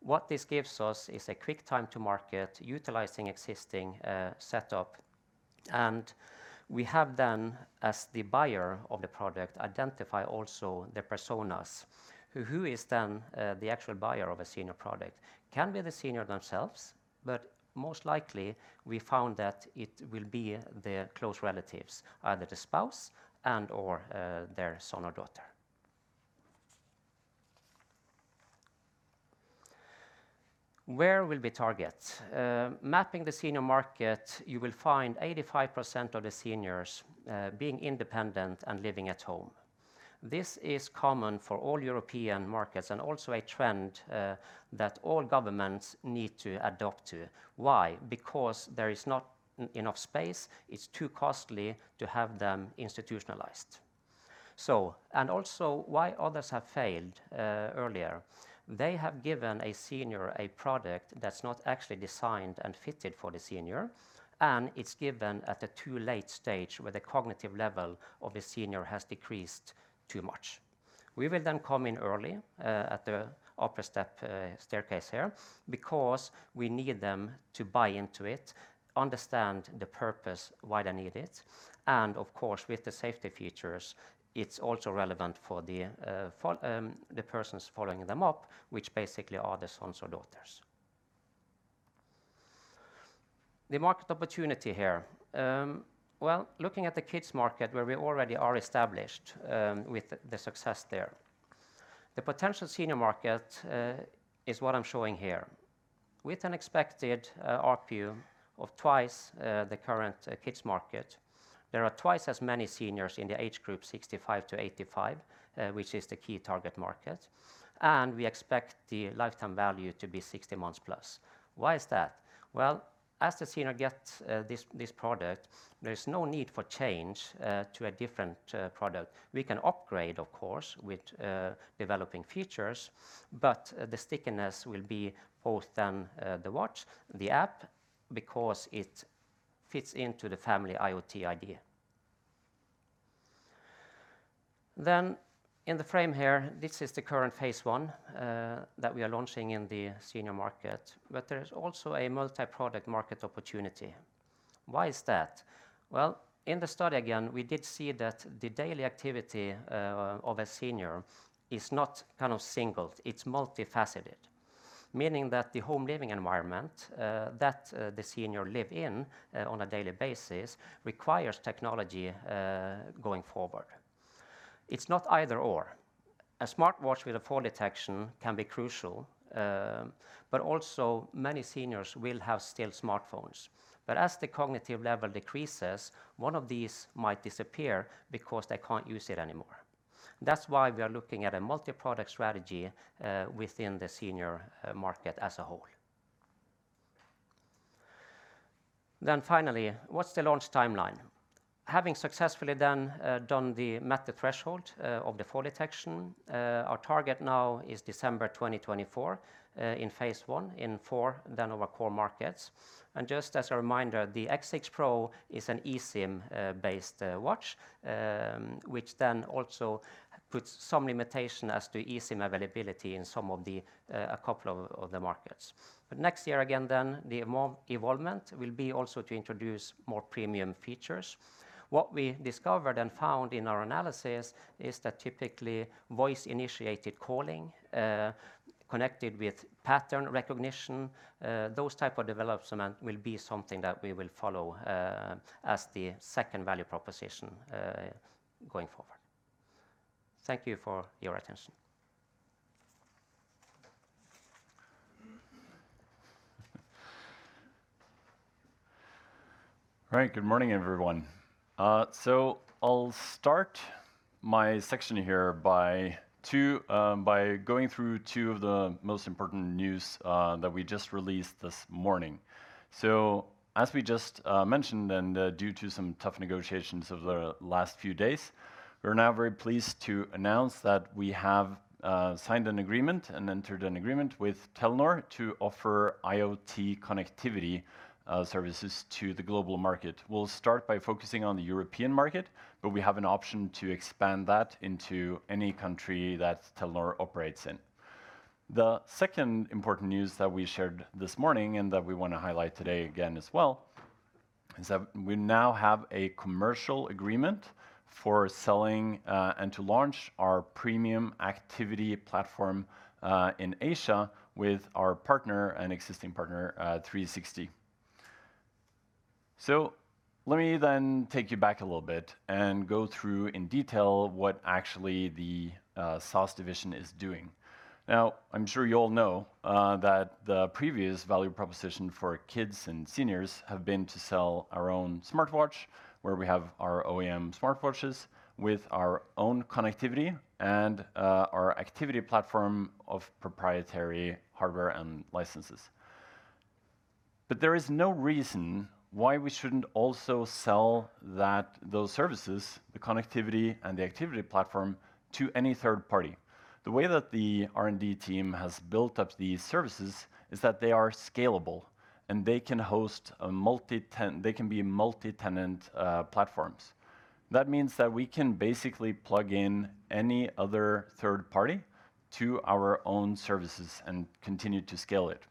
What this gives us is a quick time to market utilizing existing setup. And we have then, as the buyer of the product, identify also the personas. Who is then the actual buyer of a senior product? Can be the senior themselves, but most likely we found that it will be the close relatives, either the spouse and/or their son or daughter. Where will we target? Mapping the senior market, you will find 85% of the seniors being independent and living at home. This is common for all European markets and also a trend that all governments need to adopt to. Why? Because there is not enough space. It's too costly to have them institutionalized. So, and also why others have failed earlier? They have given a senior a product that's not actually designed and fitted for the senior, and it's given at a too late stage where the cognitive level of the senior has decreased too much. We will then come in early at the upper step staircase here because we need them to buy into it, understand the purpose, why they need it. Of course, with the safety features, it's also relevant for the persons following them up, which basically are the sons or daughters. The market opportunity here, well, looking at the kids market where we already are established with the success there, the potential senior market is what I'm showing here. With an expected RPU of twice the current kids market, there are twice as many seniors in the age group 65-85, which is the key target market. And we expect the lifetime value to be 60 months plus. Why is that? Well, as the senior gets this product, there is no need for change to a different product. We can upgrade, of course, with developing features, but the stickiness will be both then the watch, the app, because it fits into the family IoT idea. Then in the frame here, this is the current phase one that we are launching in the senior market, but there is also a multi-product market opportunity. Why is that? Well, in the study again, we did see that the daily activity of a senior is not kind of singled. It's multifaceted, meaning that the home living environment that the senior lives in on a daily basis requires technology going forward. It's not either/or. A smartwatch with a fall detection can be crucial, but also many seniors will have still smartphones. But as the cognitive level decreases, one of these might disappear because they can't use it anymore. That's why we are looking at a multi-product strategy within the senior market as a whole. Then finally, what's the launch timeline? Having successfully then done the method threshold of the fall detection, our target now is December 2024 in phase one in four then of our core markets. And just as a reminder, the X6 Pro is an eSIM-based watch, which then also puts some limitation as to eSIM availability in some of the couple of the markets. But next year again, then the evolvement will be also to introduce more premium features. What we discovered and found in our analysis is that typically voice-initiated calling connected with pattern recognition, those types of developments will be something that we will follow as the second value proposition going forward. Thank you for your attention. All right, good morning, everyone. I'll start my section here by going through two of the most important news that we just released this morning. So as we just mentioned, and due to some tough negotiations over the last few days, we're now very pleased to announce that we have signed an agreement and entered an agreement with Telenor to offer IoT connectivity services to the global market. We'll start by focusing on the European market, but we have an option to expand that into any country that Telenor operates in. The second important news that we shared this morning and that we want to highlight today again as well is that we now have a commercial agreement for selling and to launch our premium activity platform in Asia with our partner, an existing partner, 360. So let me then take you back a little bit and go through in detail what actually the SaaS division is doing. Now, I'm sure you all know that the previous value proposition for kids and seniors has been to sell our own smartwatch where we have our OEM smartwatches with our own connectivity and our activity platform of proprietary hardware and licenses. But there is no reason why we shouldn't also sell those services, the connectivity and the activity platform, to any third party. The way that the R&D team has built up these services is that they are scalable and they can host a multi-tenant. They can be multi-tenant platforms. That means that we can basically plug in any other third party to our own services and continue to scale it.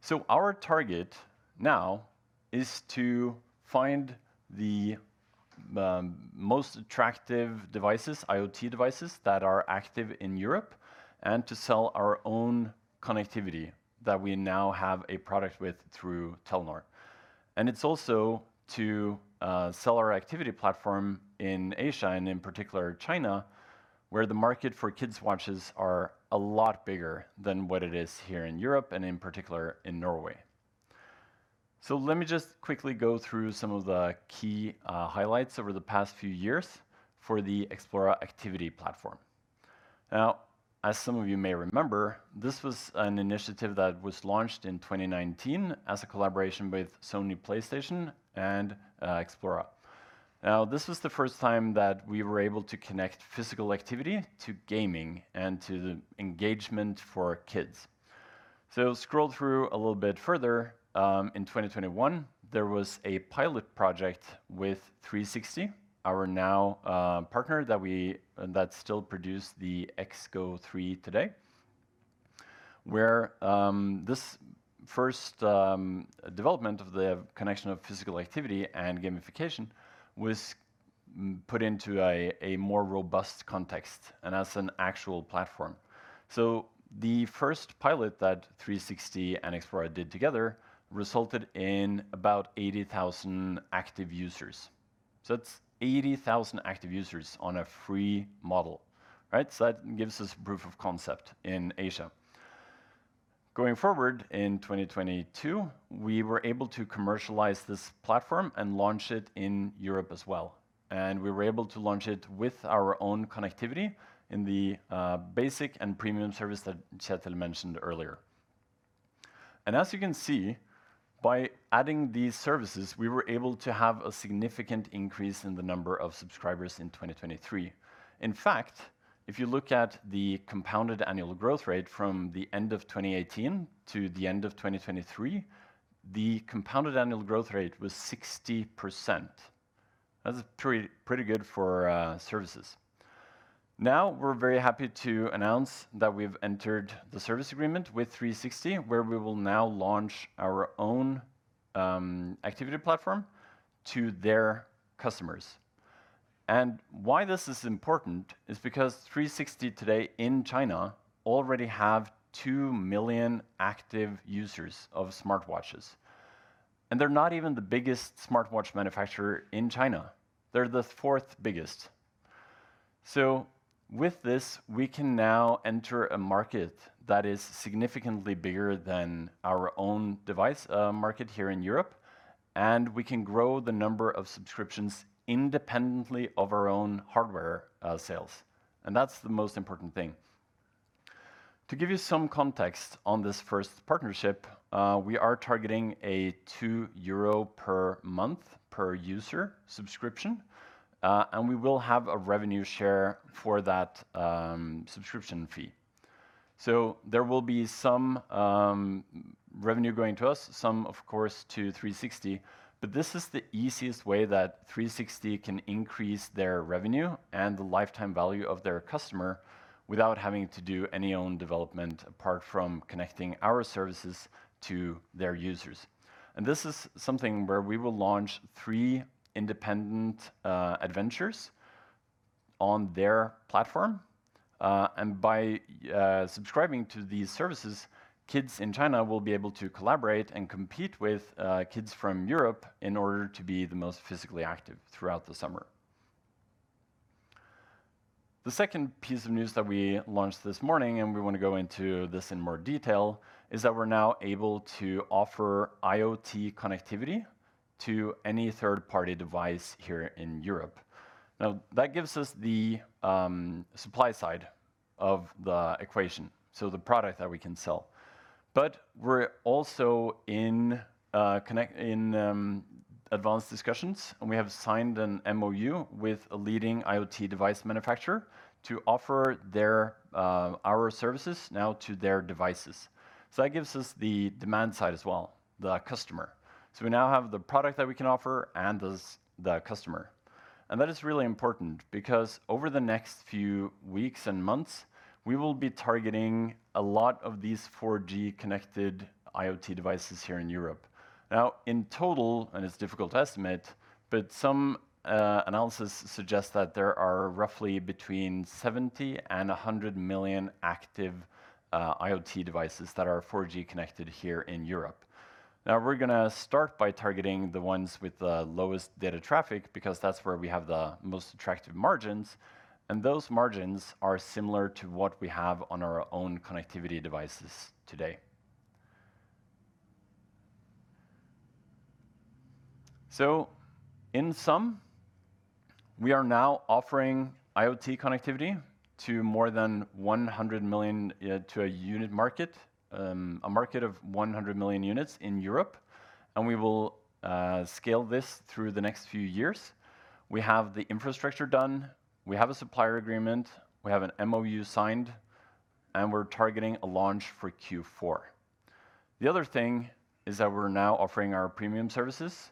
So our target now is to find the most attractive devices, IoT devices that are active in Europe, and to sell our own connectivity that we now have a product with through Telenor. It's also to sell our activity platform in Asia and in particular China, where the market for kids watches is a lot bigger than what it is here in Europe and in particular in Norway. Let me just quickly go through some of the key highlights over the past few years for the Xplora Activity Platform. Now, as some of you may remember, this was an initiative that was launched in 2019 as a collaboration with Sony PlayStation and Xplora. Now, this was the first time that we were able to connect physical activity to gaming and to engagement for kids. Scroll through a little bit further. In 2021, there was a pilot project with 360, our now partner that still produces the XGO3 today, where this first development of the connection of physical activity and gamification was put into a more robust context and as an actual platform. So the first pilot that 360 and Xplora did together resulted in about 80,000 active users. So that's 80,000 active users on a free model, right? So that gives us proof of concept in Asia. Going forward in 2022, we were able to commercialize this platform and launch it in Europe as well. And we were able to launch it with our own connectivity in the basic and premium service that Kjetil mentioned earlier. And as you can see, by adding these services, we were able to have a significant increase in the number of subscribers in 2023. In fact, if you look at the compounded annual growth rate from the end of 2018 to the end of 2023, the compounded annual growth rate was 60%. That's pretty good for services. Now we're very happy to announce that we've entered the service agreement with 360, where we will now launch our own activity platform to their customers. And why this is important is because 360 today in China already has 2 million active users of smartwatches. And they're not even the biggest smartwatch manufacturer in China. They're the fourth biggest. So with this, we can now enter a market that is significantly bigger than our own device market here in Europe. And we can grow the number of subscriptions independently of our own hardware sales. And that's the most important thing. To give you some context on this first partnership, we are targeting a 2 euro per month per user subscription, and we will have a revenue share for that subscription fee. So there will be some revenue going to us, some, of course, to 360, but this is the easiest way that 360 can increase their revenue and the lifetime value of their customer without having to do any own development apart from connecting our services to their users. And this is something where we will launch three independent adventures on their platform. And by subscribing to these services, kids in China will be able to collaborate and compete with kids from Europe in order to be the most physically active throughout the summer. The second piece of news that we launched this morning, and we want to go into this in more detail, is that we're now able to offer IoT connectivity to any third-party device here in Europe. Now, that gives us the supply side of the equation, so the product that we can sell. But we're also in advanced discussions, and we have signed an MoU with a leading IoT device manufacturer to offer our services now to their devices. So that gives us the demand side as well, the customer. So we now have the product that we can offer and the customer. And that is really important because over the next few weeks and months, we will be targeting a lot of these 4G connected IoT devices here in Europe. Now, in total, and it's difficult to estimate, but some analysis suggests that there are roughly between 70 and 100 million active IoT devices that are 4G connected here in Europe. Now, we're going to start by targeting the ones with the lowest data traffic because that's where we have the most attractive margins. And those margins are similar to what we have on our own connectivity devices today. So in sum, we are now offering IoT connectivity to more than 100 million to a unit market, a market of 100 million units in Europe. And we will scale this through the next few years. We have the infrastructure done. We have a supplier agreement. We have an MoU signed, and we're targeting a launch for Q4. The other thing is that we're now offering our premium services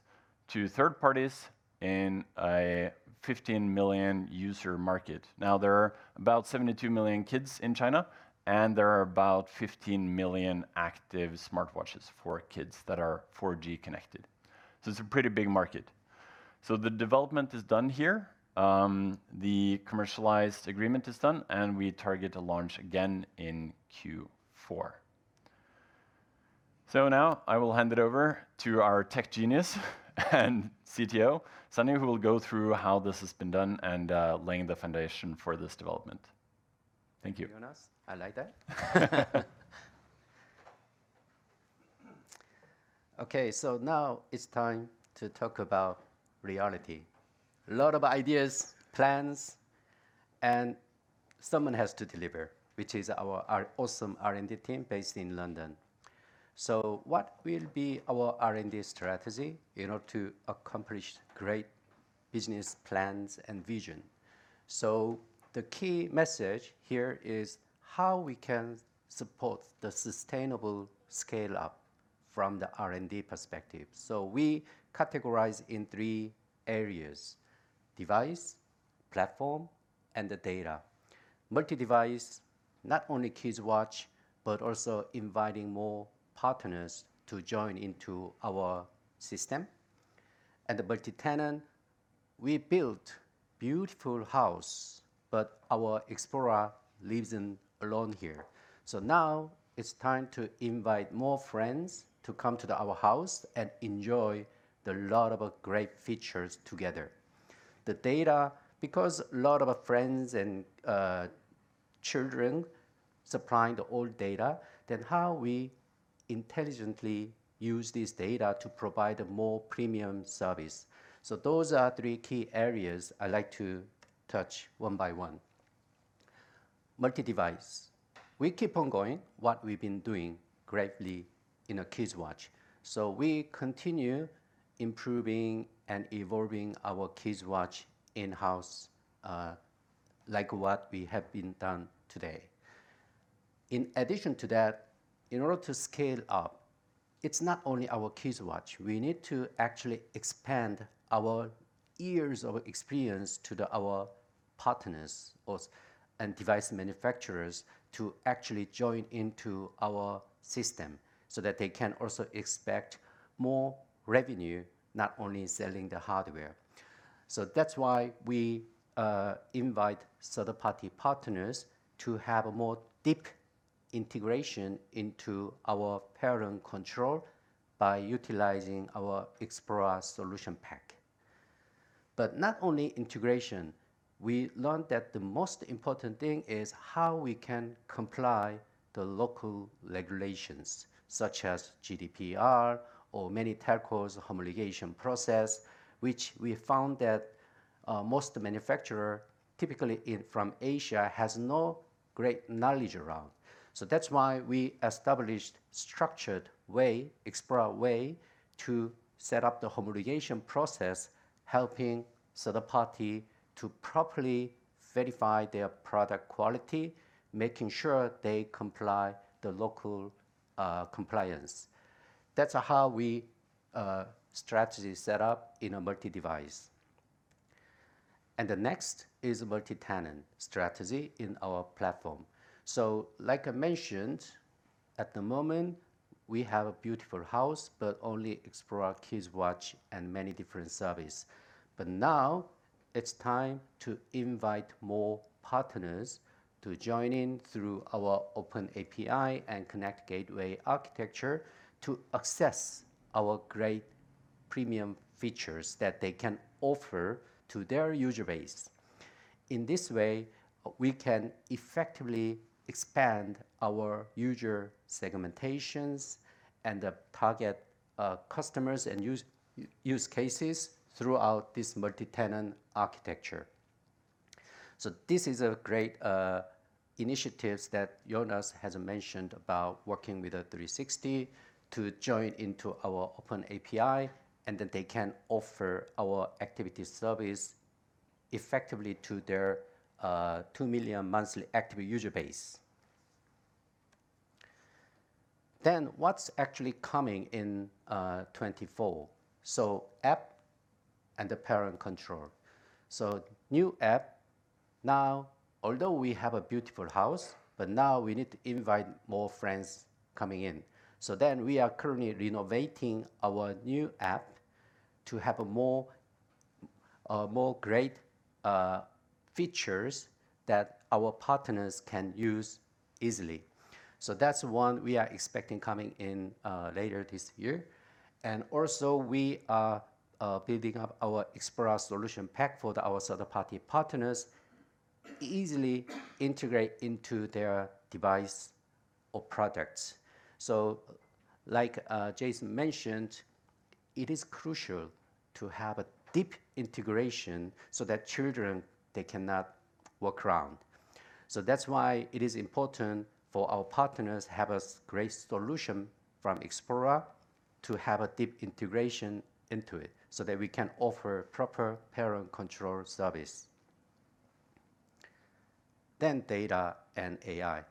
to third parties in a 15 million user market. Now, there are about 72 million kids in China, and there are about 15 million active smartwatches for kids that are 4G connected. So it's a pretty big market. So the development is done here. The commercialized agreement is done, and we target to launch again in Q4. So now I will hand it over to our tech genius and CTO, Sonny, who will go through how this has been done and laying the foundation for this development. Thank you. Jonas, I like that. Okay, so now it's time to talk about reality. A lot of ideas, plans, and someone has to deliver, which is our awesome R&D team based in London. So what will be our R&D strategy in order to accomplish great business plans and vision? So the key message here is how we can support the sustainable scale-up from the R&D perspective. So we categorize in three areas: device, platform, and the data. Multi-device, not only kids watch, but also inviting more partners to join into our system. The multi-tenant, we built a beautiful house, but our Xplora lives alone here. So now it's time to invite more friends to come to our house and enjoy a lot of great features together. The data, because a lot of friends and children supply the old data, then how we intelligently use this data to provide a more premium service. So those are three key areas I'd like to touch one by one. Multi-device. We keep on going what we've been doing greatly in a kids watch. So we continue improving and evolving our kids watch in-house, like what we have been done today. In addition to that, in order to scale up, it's not only our kids watch. We need to actually expand our years of experience to our partners and device manufacturers to actually join into our system so that they can also expect more revenue, not only selling the hardware. So that's why we invite third-party partners to have a more deep integration into our parental control by utilizing our Xplora Solution Pack. But not only integration, we learned that the most important thing is how we can comply with the local regulations, such as GDPR or many telcos' homologation process, which we found that most manufacturers, typically from Asia, have no great knowledge around. So that's why we established a structured way, Xplora way, to set up the homologation process, helping third parties to properly verify their product quality, making sure they comply with the local compliance. That's how our strategy is set up in a multi-device. The next is a multi-tenant strategy in our platform. So like I mentioned, at the moment, we have a beautiful house, but only Xplora kids watch and many different services. But now it's time to invite more partners to join in through our open API and connect gateway architecture to access our great premium features that they can offer to their user base. In this way, we can effectively expand our user segmentations and target customers and use cases throughout this multi-tenant architecture. So this is a great initiative that Jonas has mentioned about working with 360 to join into our open API, and then they can offer our activity service effectively to their 2 million monthly active user base. Then what's actually coming in 2024? So app and the parent control. So new app. Now, although we have a beautiful house, but now we need to invite more friends coming in. So then we are currently renovating our new app to have more great features that our partners can use easily. So that's one we are expecting coming in later this year. And also we are building up our Xplora Solution Pack for our third-party partners to easily integrate into their device or products. So like Jason mentioned, it is crucial to have a deep integration so that children, they cannot walk around. So that's why it is important for our partners to have a great solution from Xplora to have a deep integration into it so that we can offer proper parent control service. Then data and AI.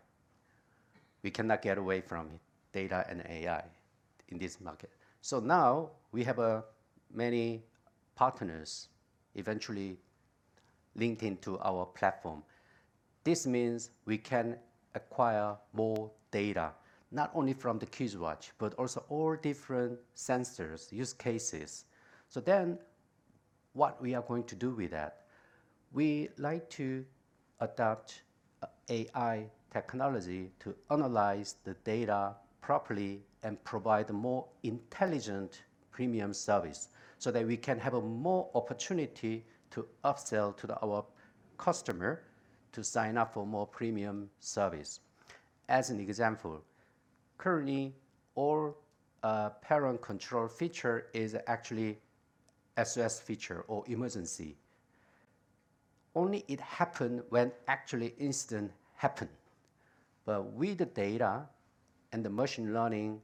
We cannot get away from data and AI in this market. So now we have many partners eventually linked into our platform. This means we can acquire more data, not only from the kids watch, but also all different sensors, use cases. So then what we are going to do with that? We like to adopt AI technology to analyze the data properly and provide a more intelligent premium service so that we can have more opportunity to upsell to our customer to sign up for more premium service. As an example, currently all parent control feature is actually SOS feature or emergency. Only it happened when actually incident happened. But with the data and the machine learning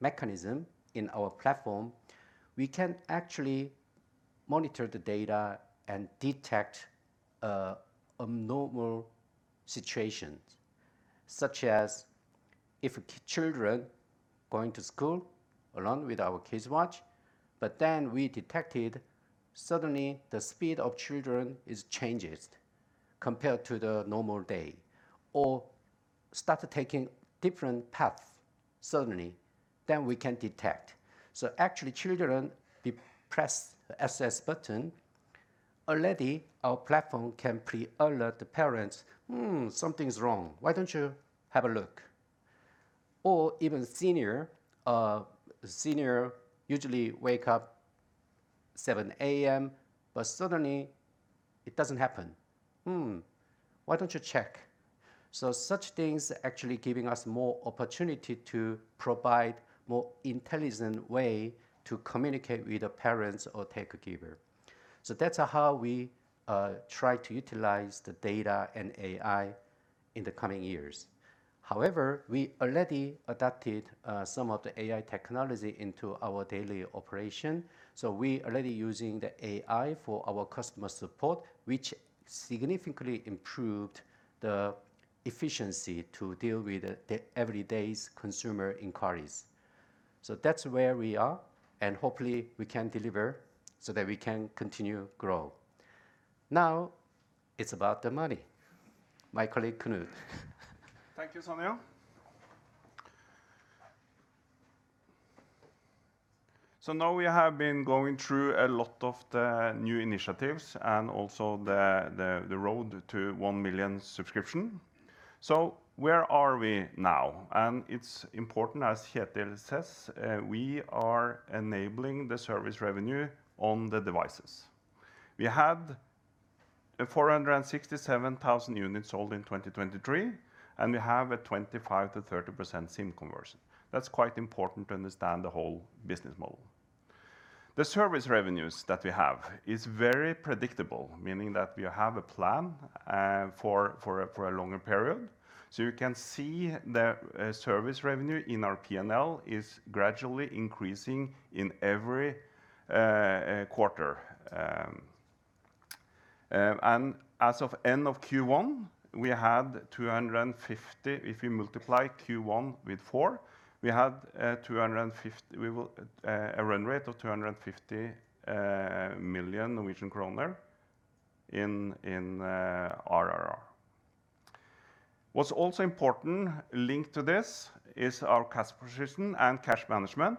mechanism in our platform, we can actually monitor the data and detect abnormal situations, such as if children are going to school alone with our kids watch, but then we detected suddenly the speed of children is changed compared to the normal day or started taking different paths suddenly, then we can detect. So actually children press the SOS button, already our platform can pre-alert the parents, something's wrong. Why don't you have a look? Or even senior, senior usually wake up 7:00 A.M., but suddenly it doesn't happen. Why don't you check? So such things actually giving us more opportunity to provide a more intelligent way to communicate with the parents or caregiver. So that's how we try to utilize the data and AI in the coming years. However, we already adopted some of the AI technology into our daily operation. So we are already using the AI for our customer support, which significantly improved the efficiency to deal with everyday consumer inquiries. So that's where we are, and hopefully we can deliver so that we can continue to grow. Now it's about the money. My colleague Knut. Thank you, Sonny. So now we have been going through a lot of the new initiatives and also the road to 1 million subscriptions. So where are we now? And it's important, as Kjetil says, we are enabling the service revenue on the devices. We had 467,000 units sold in 2023, and we have a 25%-30% SIM conversion. That's quite important to understand the whole business model. The service revenues that we have are very predictable, meaning that we have a plan for a longer period. So you can see the service revenue in our P&L is gradually increasing in every quarter. And as of end of Q1, we had 250, if you multiply Q1 with 4, we had a run rate of 250 million Norwegian kroner in ARR. What's also important linked to this is our cash position and cash management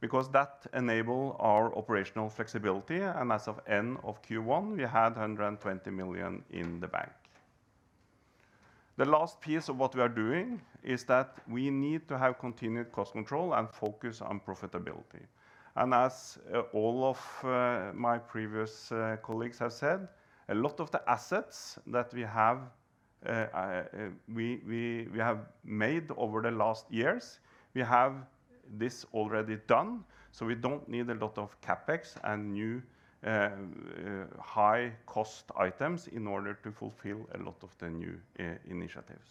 because that enables our operational flexibility. As of end of Q1, we had 120 million in the bank. The last piece of what we are doing is that we need to have continued cost control and focus on profitability. As all of my previous colleagues have said, a lot of the assets that we have made over the last years, we have this already done. We don't need a lot of CapEx and new high-cost items in order to fulfill a lot of the new initiatives.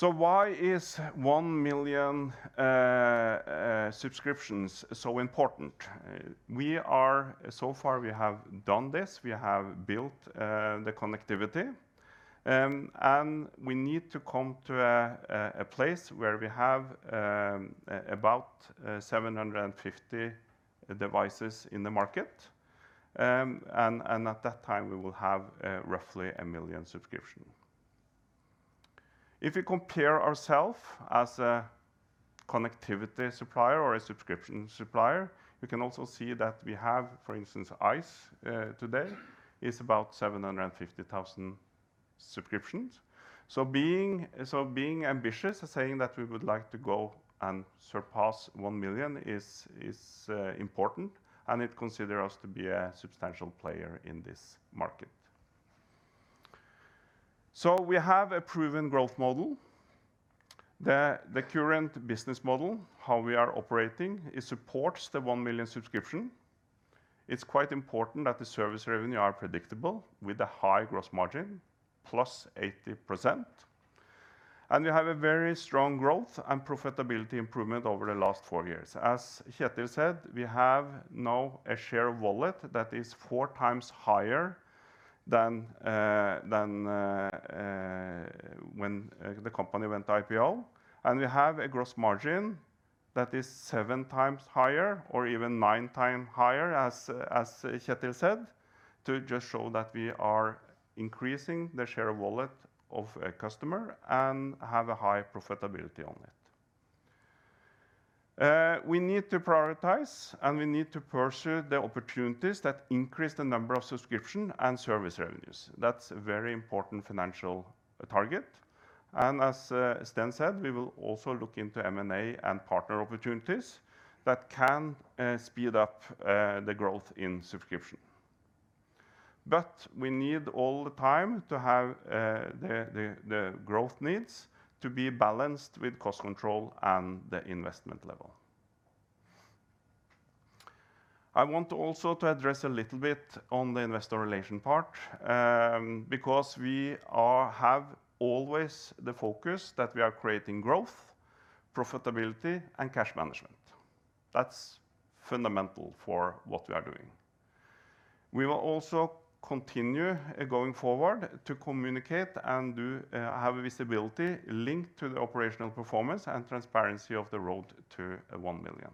Why is 1 million subscriptions so important? So far, we have done this. We have built the connectivity. We need to come to a place where we have about 750 devices in the market. And at that time, we will have roughly 1 million subscriptions. If we compare ourselves as a connectivity supplier or a subscription supplier, we can also see that we have, for instance, Ice today is about 750,000 subscriptions. So being ambitious, saying that we would like to go and surpass 1 million is important, and it considers us to be a substantial player in this market. So we have a proven growth model. The current business model, how we are operating, supports the 1 million subscription. It's quite important that the service revenue is predictable with a high gross margin plus 80%. And we have a very strong growth and profitability improvement over the last four years. As Kjetil said, we have now a share of wallet that is four times higher than when the company went to IPO. We have a gross margin that is 7 times higher or even 9 times higher, as Kjetil said, to just show that we are increasing the share of wallet of a customer and have a high profitability on it. We need to prioritize, and we need to pursue the opportunities that increase the number of subscriptions and service revenues. That's a very important financial target. As Sten said, we will also look into M&A and partner opportunities that can speed up the growth in subscription. But we need all the time to have the growth needs to be balanced with cost control and the investment level. I want also to address a little bit on the investor relations part because we have always the focus that we are creating growth, profitability, and cash management. That's fundamental for what we are doing. We will also continue going forward to communicate and have visibility linked to the operational performance and transparency of the road to 1 million.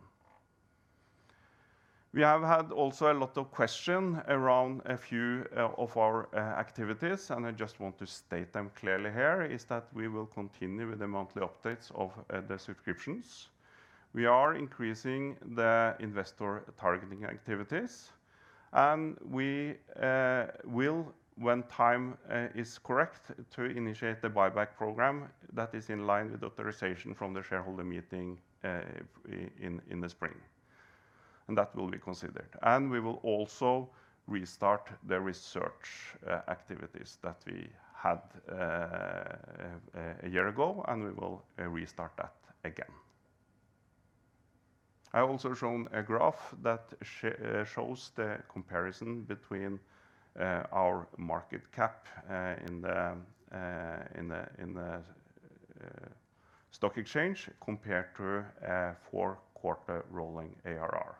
We have had also a lot of questions around a few of our activities, and I just want to state them clearly here is that we will continue with the monthly updates of the subscriptions. We are increasing the investor targeting activities, and we will, when time is correct, initiate the buyback program that is in line with authorization from the shareholder meeting in the spring. That will be considered. We will also restart the research activities that we had a year ago, and we will restart that again. I also showed a graph that shows the comparison between our market cap in the stock exchange compared to four-quarter rolling ARR.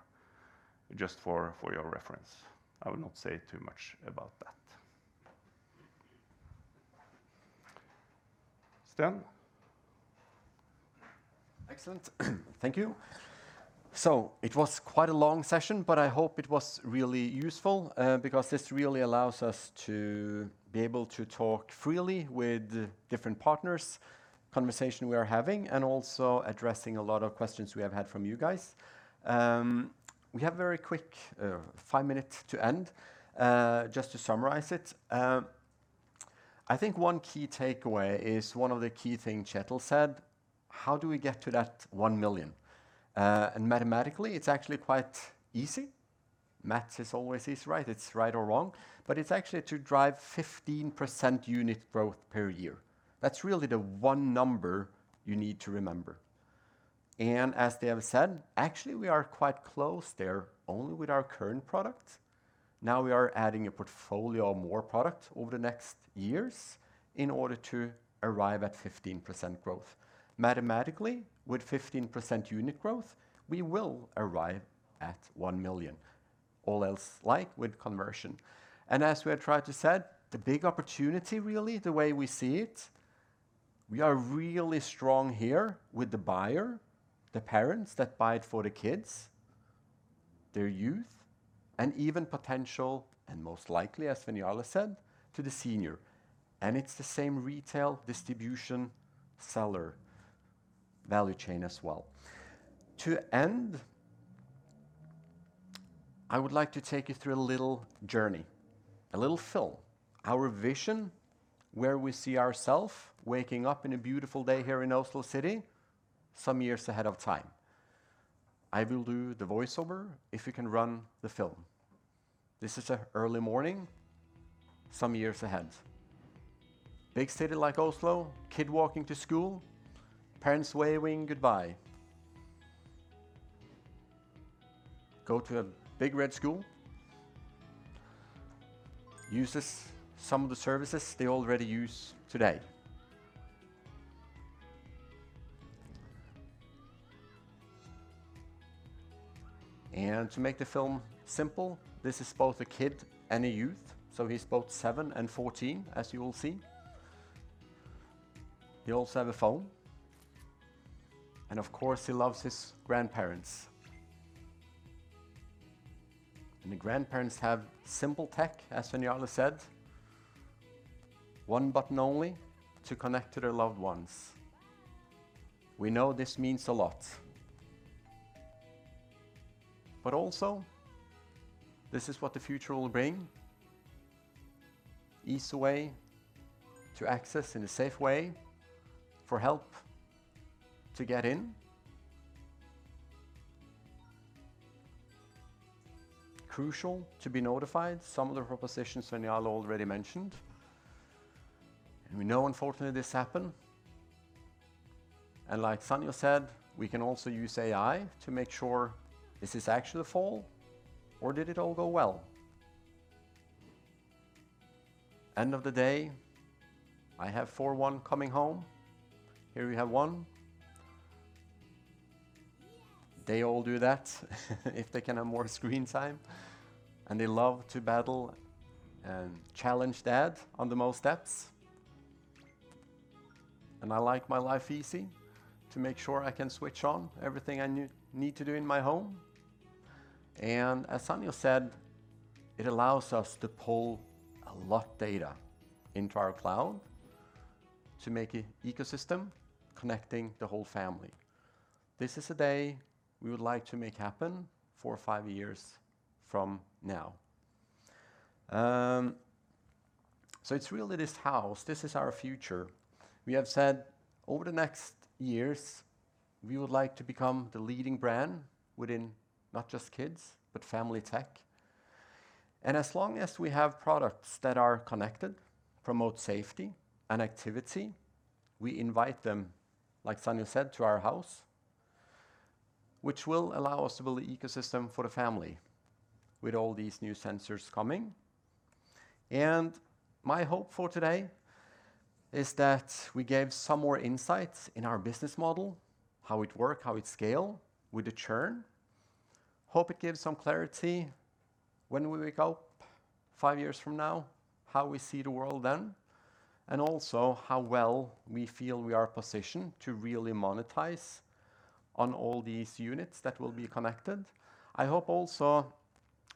Just for your reference, I will not say too much about that. Sten? Excellent. Thank you. So it was quite a long session, but I hope it was really useful because this really allows us to be able to talk freely with different partners, conversations we are having, and also addressing a lot of questions we have had from you guys. We have a very quick 5 minutes to end. Just to summarize it, I think one key takeaway is one of the key things Kjetil said. How do we get to that 1 million? And mathematically, it's actually quite easy. Math is always easy, right? It's right or wrong, but it's actually to drive 15% unit growth per year. That's really the one number you need to remember. And as they have said, actually, we are quite close there only with our current product. Now we are adding a portfolio of more products over the next years in order to arrive at 15% growth. Mathematically, with 15% unit growth, we will arrive at 1 million, all else like with conversion. As we have tried to said, the big opportunity really, the way we see it, we are really strong here with the buyer, the parents that buy it for the kids, their youth, and even potential, and most likely, as Kjetil said, to the senior. It's the same retail distribution seller value chain as well. To end, I would like to take you through a little journey, a little film, our vision where we see ourselves waking up in a beautiful day here in Oslo some years ahead of time. I will do the voiceover if you can run the film. This is an early morning some years ahead. Big city like Oslo, a kid walking to school, parents waving goodbye. Go to a big red school, use some of the services they already use today. To make the film simple, this is both a kid and a youth. So he's both 7 and 14, as you will see. He also has a phone. Of course, he loves his grandparents. The grandparents have simple tech, as Kjetil said, one button only to connect to their loved ones. We know this means a lot. But also, this is what the future will bring. Easy way to access in a safe way for help to get in. Crucial to be notified, some of the propositions Kjetil already mentioned. We know, unfortunately, this happened. Like Sonny said, we can also use AI to make sure this is actually the fall or did it all go well? End of the day, I have 4-1 coming home. Here we have 1. They all do that if they can have more screen time. They love to battle and challenge Dad on the most steps. I like my life easy to make sure I can switch on everything I need to do in my home. As Sonny said, it allows us to pull a lot of data into our cloud to make an ecosystem connecting the whole family. This is a day we would like to make happen 4 or 5 years from now. It's really this house; this is our future. We have said over the next years, we would like to become the leading brand within not just kids, but family tech. As long as we have products that are connected, promote safety and activity, we invite them, like Sonny said, to our house, which will allow us to build the ecosystem for the family with all these new sensors coming. My hope for today is that we gave some more insights in our business model, how it works, how it scales with the churn. Hope it gives some clarity when we wake up five years from now, how we see the world then, and also how well we feel we are positioned to really monetize on all these units that will be connected. I hope also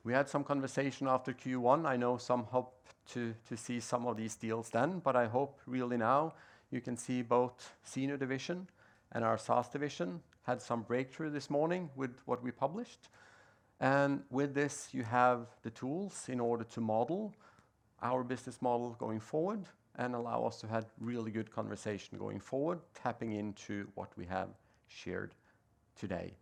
we had some conversation after Q1. I know some hope to see some of these deals then, but I hope really now you can see both Senior Division and our SaaS Division had some breakthrough this morning with what we published. With this, you have the tools in order to model our business model going forward and allow us to have really good conversation going forward, tapping into what we have shared today.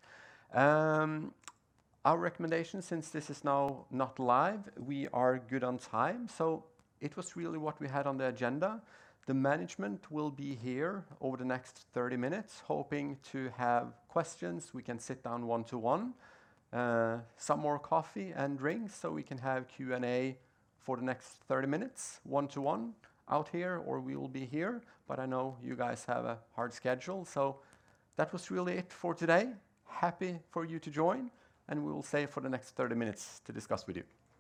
Our recommendations, since this is now not live, we are good on time. It was really what we had on the agenda. The management will be here over the next 30 minutes, hoping to have questions. We can sit down one-to-one, some more coffee and drinks so we can have Q&A for the next 30 minutes, one-to-one out here, or we will be here. But I know you guys have a hard schedule. That was really it for today. Happy for you to join, and we will say for the next 30 minutes to discuss with you.